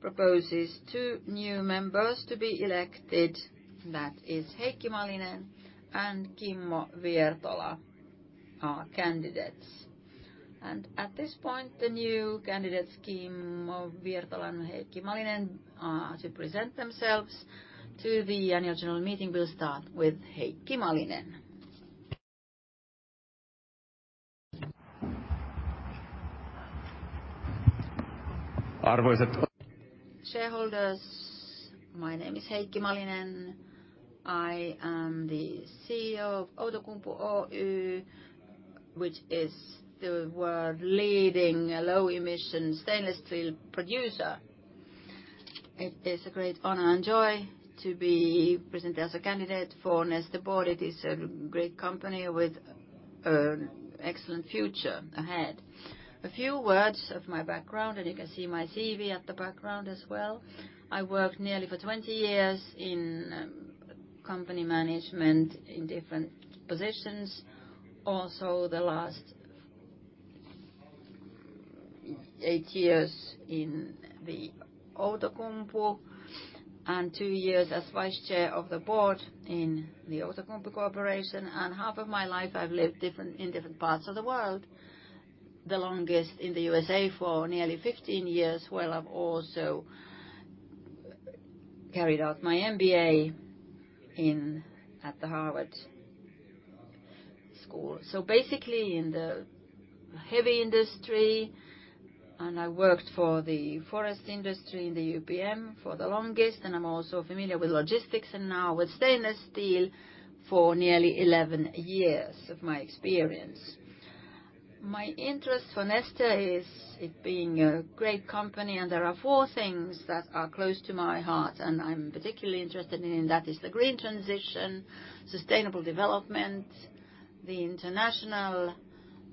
proposes two new members to be elected. That is Heikki Malinen and Kimmo Viertola are candidates. At this point, the new candidates, Kimmo Viertola and Heikki Malinen, should present themselves to the annual general meeting. We'll start with Heikki Malinen. Shareholders, my name is Heikki Malinen. I am the CEO of Outokumpu, OU, which is the world leading low emission stainless steel producer. It is a great honor and joy to be presented as a candidate for Neste Board. It is a great company with an excellent future ahead. A few words of my background. You can see my CV at the background as well. I worked nearly for 20 years in company management in different positions. The last 8 years in the Outokumpu and 2 years as vice chair of the board in the Outokumpu Corporation. Half of my life I've lived in different parts of the world, the longest in the USA for nearly 15 years, where I've also carried out my MBA at the Harvard School. Basically in the heavy industry, I worked for the forest industry in the UPM for the longest, and I'm also familiar with logistics and now with stainless steel for nearly 11 years of my experience. My interest for Neste is it being a great company, and there are four things that are close to my heart, and I'm particularly interested in. That is the green transition, sustainable development, the international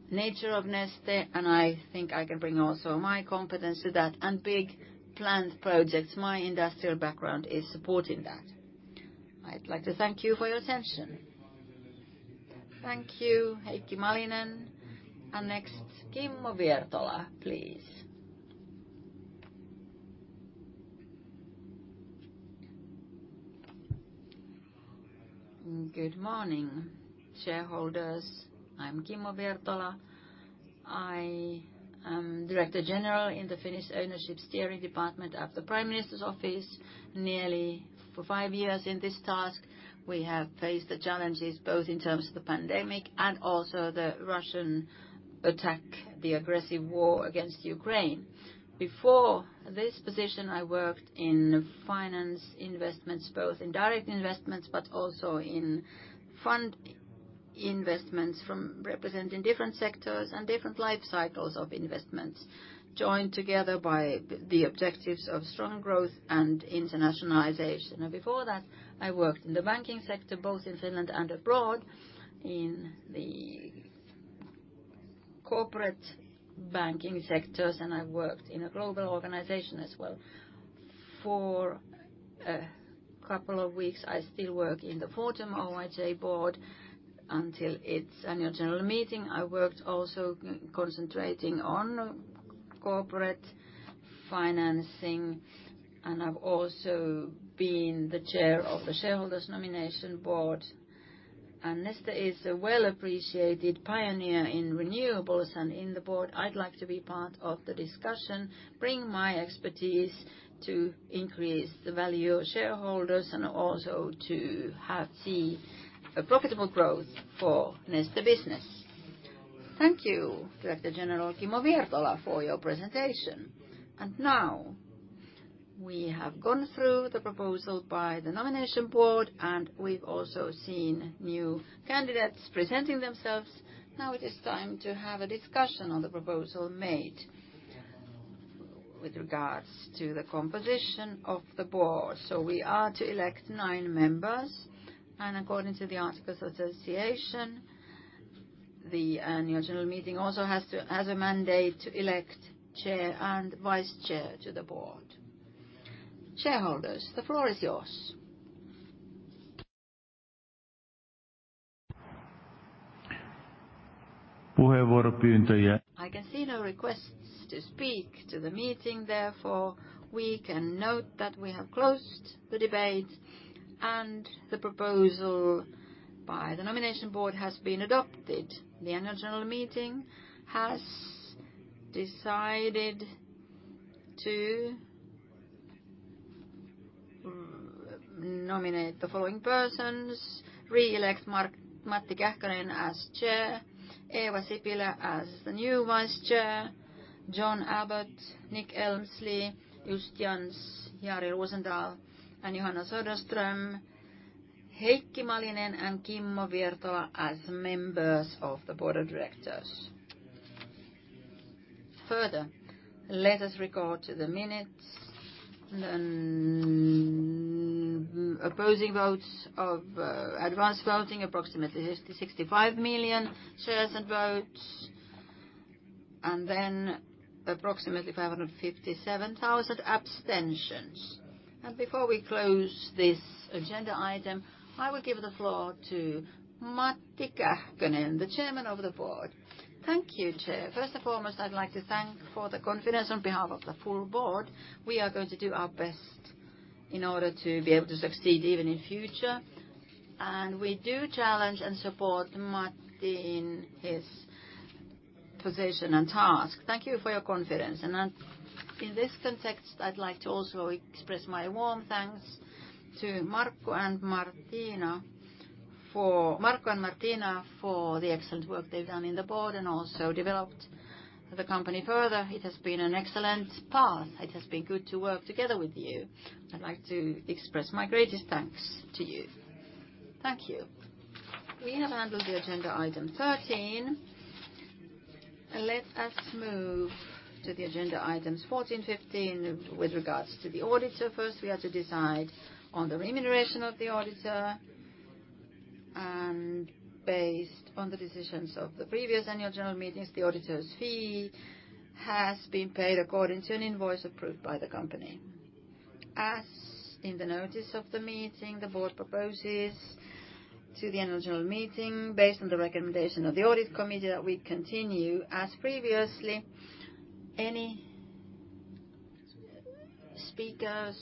nature of Neste, and I think I can bring also my competence to that, and big planned projects. My industrial background is supporting that. I'd like to thank you for your attention. Thank you, Heikki Malinen. Next, Kimmo Viertola, please. Good morning, shareholders. I'm Kimmo Viertola. I am Director General in the Finnish Ownership Steering Department of the Prime Minister's Office, nearly for five years in this task. We have faced the challenges both in terms of the pandemic and also the Russian attack, the aggressive war against Ukraine. Before this position, I worked in finance investments, both in direct investments but also in fund investments from representing different sectors and different life cycles of investments, joined together by the objectives of strong growth and internationalization. Before that, I worked in the banking sector, both in Finland and abroad, in the corporate banking sectors, and I worked in a global organization as well. For a couple of weeks, I still work in the Fortum Oyj board until its annual general meeting. I worked also concentrating on corporate financing, and I've also been the Chair of the Shareholders' Nomination Board. Neste is a well appreciated pioneer in renewables and in the board, I'd like to be part of the discussion, bring my expertise to increase the value of shareholders and also to have, see a profitable growth for Neste business. Thank you, Director General Kimmo Viertola for your presentation. Now we have gone through the proposal by the nomination board, and we've also seen new candidates presenting themselves. Now it is time to have a discussion on the proposal made with regards to the composition of the board. We are to elect nine members, according to the Articles of Association The annual general meeting also has a mandate to elect chair and vice-chair to the board. Shareholders, the floor is yours. I can see no requests to speak to the meeting, therefore, we can note that we have closed the debate, the proposal by the nomination board has been adopted. The annual general meeting has decided to nominate the following persons, re-elect Matti Kähkönen as Chair, Eeva Sipilä as the new Vice-Chair, John Abbott, Nick Elmslie, Just Jansz, Jari Rosendal, Johanna Söderström, Heikki Malinen, and Kimmo Viertola as members of the Board of Directors. Further, let us record to the minutes opposing votes of advanced voting, approximately 65 million shares and votes, then approximately 557,000 abstentions. Before we close this agenda item, I will give the floor to Matti Kähkönen, the Chairman of the Board. Thank you, Chair. First and foremost, I'd like to thank for the confidence on behalf of the full Board. We are going to do our best in order to be able to succeed even in future. We do challenge and support Matti in his position and task. Thank you for your confidence. In this context, I'd like to also express my warm thanks to Marco and Martina for the excellent work they've done in the Board and also developed the company further. It has been an excellent path. It has been good to work together with you. I'd like to express my greatest thanks to you. Thank you. We have handled the agenda item 13. Let us move to the agenda items 14, 15 with regards to the auditor. First, we have to decide on the remuneration of the auditor. Based on the decisions of the previous Annual General Meetings, the auditor's fee has been paid according to an invoice approved by the company. As in the notice of the meeting, the Board proposes to the Annual General Meeting based on the recommendation of the Audit Committee that we continue as previously. Any speakers?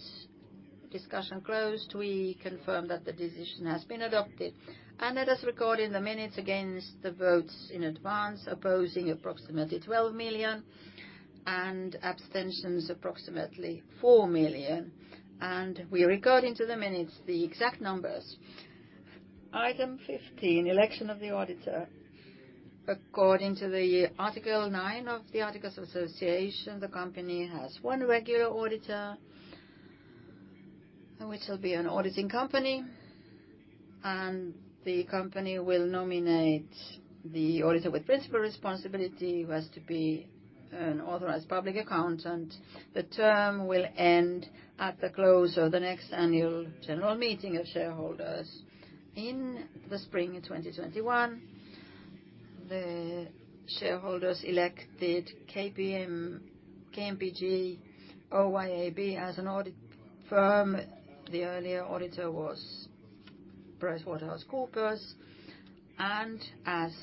Discussion closed. We confirm that the decision has been adopted. Let us record in the minutes against the votes in advance, opposing approximately €12 million and abstentions approximately €4 million. We are recording to the minutes the exact numbers. Item 15, election of the auditor. According to Article 9 of the Articles of Association, the company has one regular auditor, which will be an auditing company. The company will nominate the auditor with principal responsibility, who has to be an authorized public accountant. The term will end at the close of the next annual general meeting of shareholders in the spring in 2021. The shareholders elected KPMG Oy Ab as an audit firm. The earlier auditor was PricewaterhouseCoopers, and as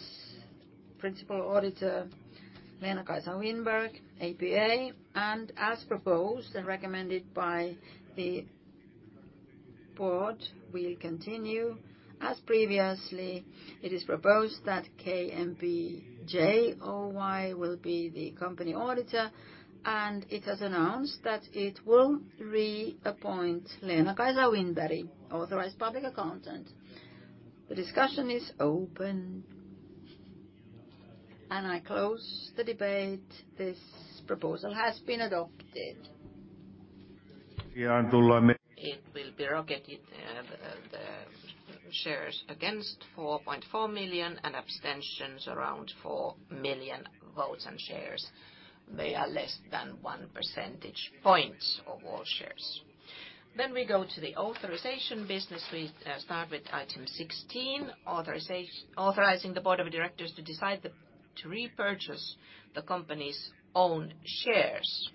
principal auditor, Leenakaisa Winberg, APA. As proposed and recommended by the board, we'll continue. As previously, it is proposed that KMBJ Oy will be the company auditor. It has announced that it will reappoint Leenakaisa Winberg, Authorized Public Accountant. The discussion is open. I close the debate. This proposal has been adopted. It will be rocketed, the shares against 4.4 million and abstentions around 4 million votes and shares. They are less than 1 percentage points of all shares. We go to the authorization business. We start with item 16, authorizing the Board of Directors to decide to repurchase the company's own shares.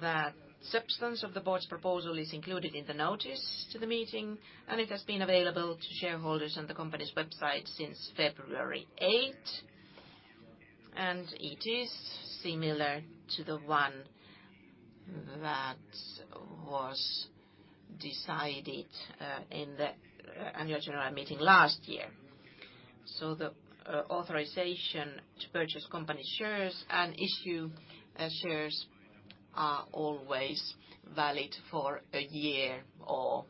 The substance of the Board's proposal is included in the notice to the meeting. It has been available to shareholders on the company's website since February 8. It is similar to the one that was decided in the Annual General Meeting last year. The authorization to purchase company shares and issue shares are always valid for a year or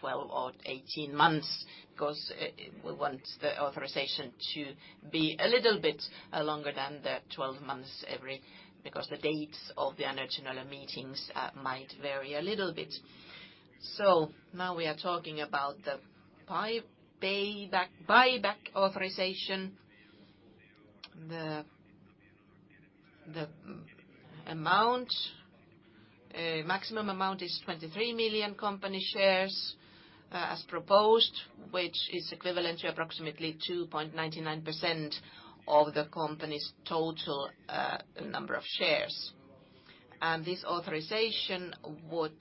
12 or 18 months because we want the authorization to be a little bit longer than the 12 months every because the dates of the annual general meetings might vary a little bit. Now we are talking about the buyback authorization. The The maximum amount is 23 million company shares, as proposed, which is equivalent to approximately 2.99% of the company's total number of shares. This authorization would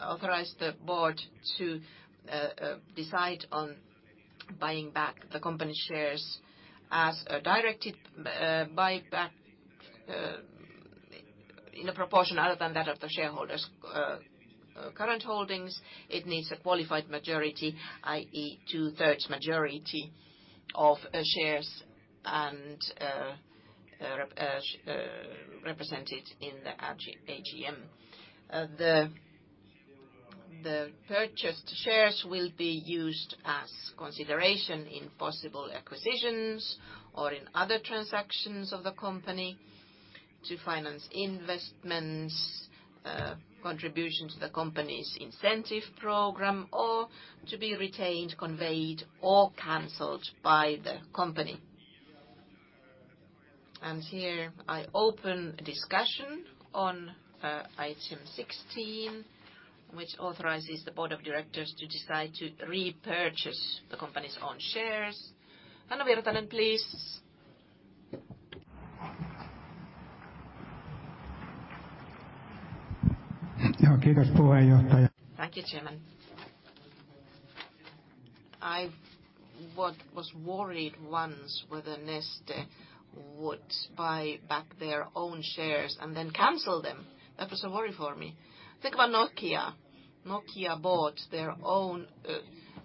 authorize the board to decide on buying back the company shares as a directed buy back in a proportion other than that of the shareholders' current holdings, it needs a qualified majority, i.e., two-thirds majority of our shares and represented in the AGM. The purchased shares will be used as consideration in possible acquisitions or in other transactions of the company to finance investments, contribution to the company's incentive program, or to be retained, conveyed, or canceled by the company. Here I open discussion on item 16, which authorizes the board of directors to decide to repurchase the company's own shares. Hannu Virtanen, please. Thank you, Chairman. I was worried once whether Neste would buy back their own shares and then cancel them. That was a worry for me. Think about Nokia. Nokia bought their own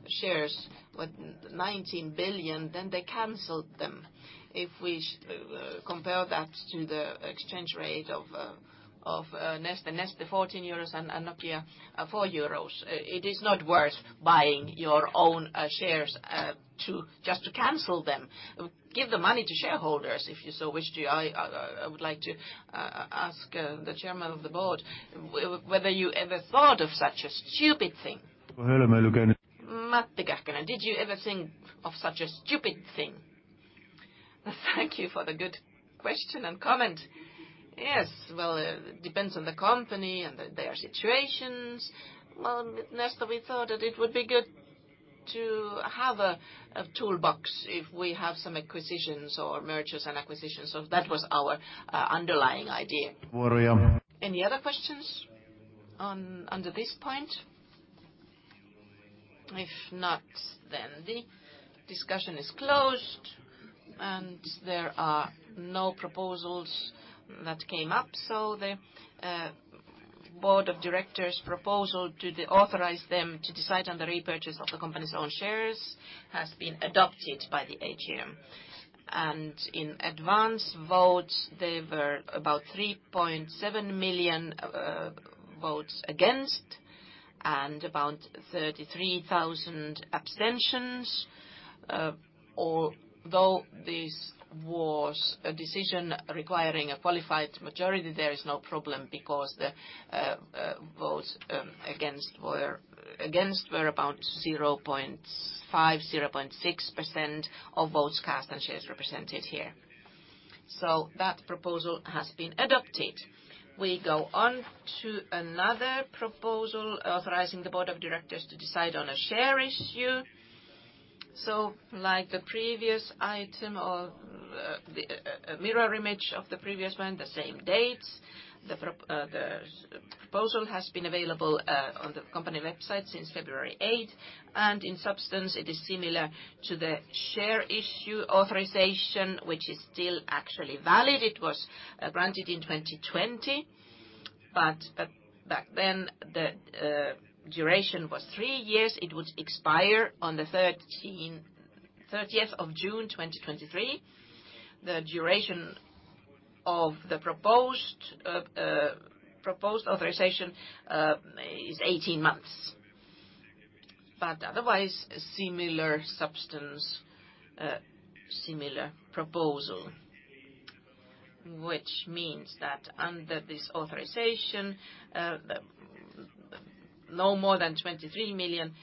shares with €19 billion, then they canceled them. If we compare that to the exchange rate of Neste. Neste, €14, and Nokia, €4. It is not worth buying your own shares just to cancel them. Give the money to shareholders, if you so wish to. I would like to ask the chairman of the board whether you ever thought of such a stupid thing. Matti Kähkönen, did you ever think of such a stupid thing? Thank you for the good question and comment. Yes. Well, it depends on the company and their situations. Well, with Neste, we thought that it would be good to have a toolbox if we have some acquisitions or mergers and acquisitions. That was our underlying idea. Any other questions under this point? If not, the discussion is closed, and there are no proposals that came up, the Board of Directors' proposal to authorize them to decide on the repurchase of the company's own shares has been adopted by the AGM. In advance votes, there were about 3.7 million votes against and about 33,000 abstentions. Although this was a decision requiring a qualified majority, there is no problem because the votes against were about 0.5, 0.6% of votes cast and shares represented here. That proposal has been adopted. We go on to another proposal authorizing the board of directors to decide on a share issue. Like the previous item or a mirror image of the previous one, the same dates. The proposal has been available on the company website since February 8th. In substance, it is similar to the share issue authorization, which is still actually valid. It was granted in 2020, but back then, the duration was three years. It would expire on the 30th of June, 2023. The duration of the proposed proposed authorization is 18 months. Otherwise, similar substance, similar proposal. Means that under this authorization, no more than 23 million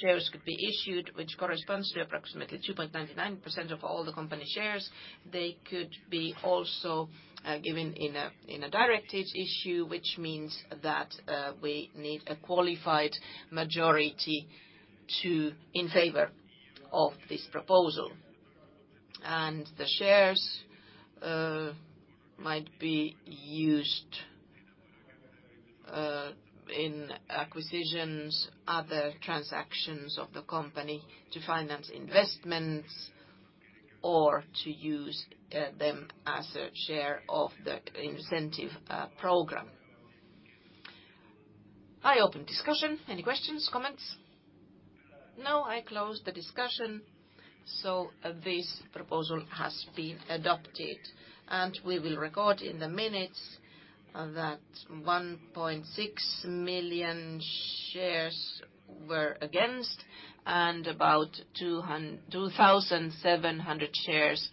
shares could be issued, which corresponds to approximately 2.99% of all the company shares. They could be also given in a directed issue, which means that we need a qualified majority in favor of this proposal. The shares might be used in acquisitions, other transactions of the company to finance investments or to use them as a share of the incentive program. I open discussion. Any questions, comments? No? I close the discussion. This proposal has been adopted, and we will record in the minutes that 1.6 million shares were against and about 2,700 shares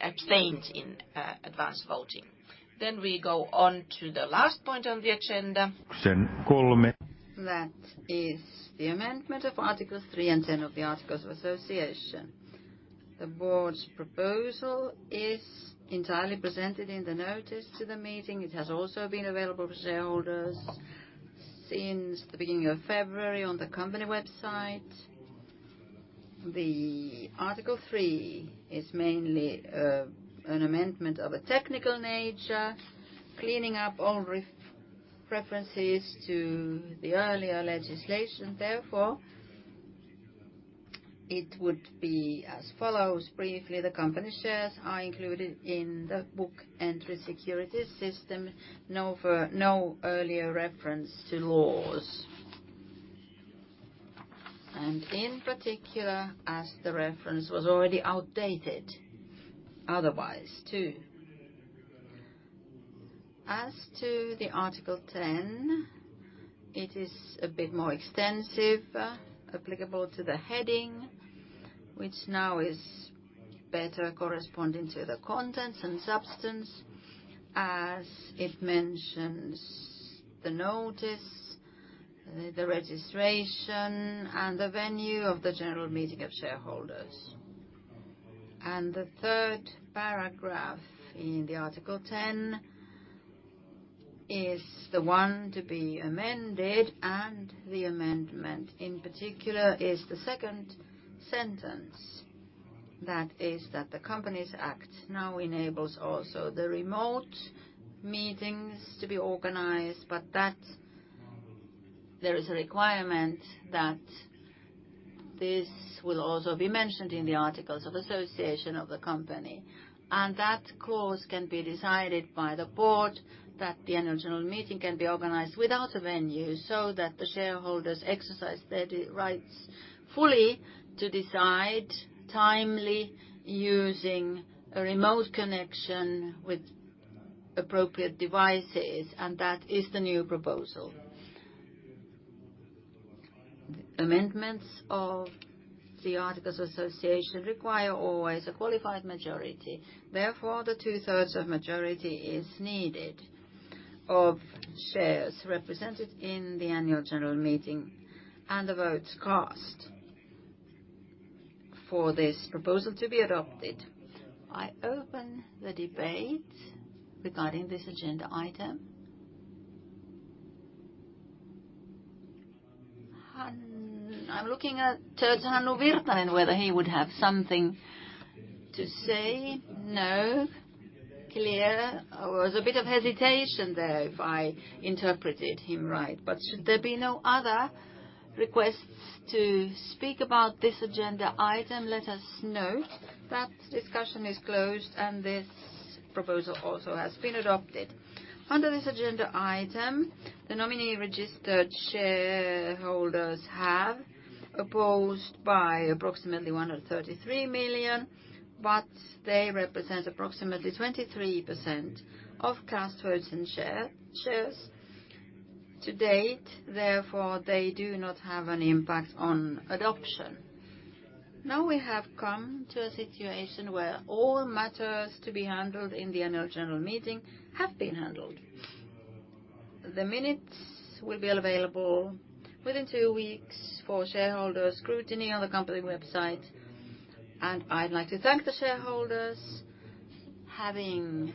abstained in advance voting. We go on to the last point on the agenda. That is the amendment of articles 3 and 10 of the Articles of Association. The board's proposal is entirely presented in the notice to the meeting. It has also been available to shareholders since the beginning of February on the company website. The article 3 is mainly an amendment of a technical nature, cleaning up all references to the earlier legislation. Therefore, it would be as follows. Briefly, the company shares are included in the book entry security system. No earlier reference to laws. In particular, as the reference was already outdated, otherwise too. As to the article ten, it is a bit more extensive, applicable to the heading, which now is better corresponding to the contents and substance as it mentions the notice, the registration, and the venue of the general meeting of shareholders. The third paragraph in the article ten is the one to be amended, and the amendment, in particular, is the second sentence. That is that the Companies Act now enables also the remote meetings to be organized, but that's. There is a requirement that this will also be mentioned in the articles of association of the company. That clause can be decided by the board that the annual general meeting can be organized without a venue, so that the shareholders exercise their rights fully to decide timely using a remote connection with appropriate devices, and that is the new proposal. Amendments of the articles association require always a qualified majority. The two-thirds of majority is needed of shares represented in the annual general meeting and the votes cast for this proposal to be adopted. I open the debate regarding this agenda item. I'm looking at Terhanuvirtan, whether he would have something to say. No? Clear. There was a bit of hesitation there if I interpreted him right. Should there be no other requests to speak about this agenda item, let us note that discussion is closed, and this proposal also has been adopted. Under this agenda item, the nominee registered shareholders have opposed by approximately €133 million, but they represent approximately 23% of cast votes and shares to date, they do not have an impact on adoption. Now we have come to a situation where all matters to be handled in the annual general meeting have been handled. I'd like to thank the shareholders, having,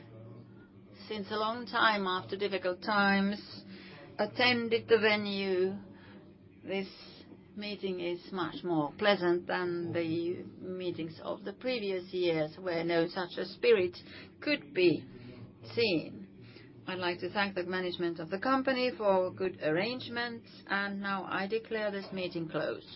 since a long time after difficult times, attended the venue. This meeting is much more pleasant than the meetings of the previous years where no such a spirit could be seen. I'd like to thank the management of the company for good arrangements, and now I declare this meeting closed.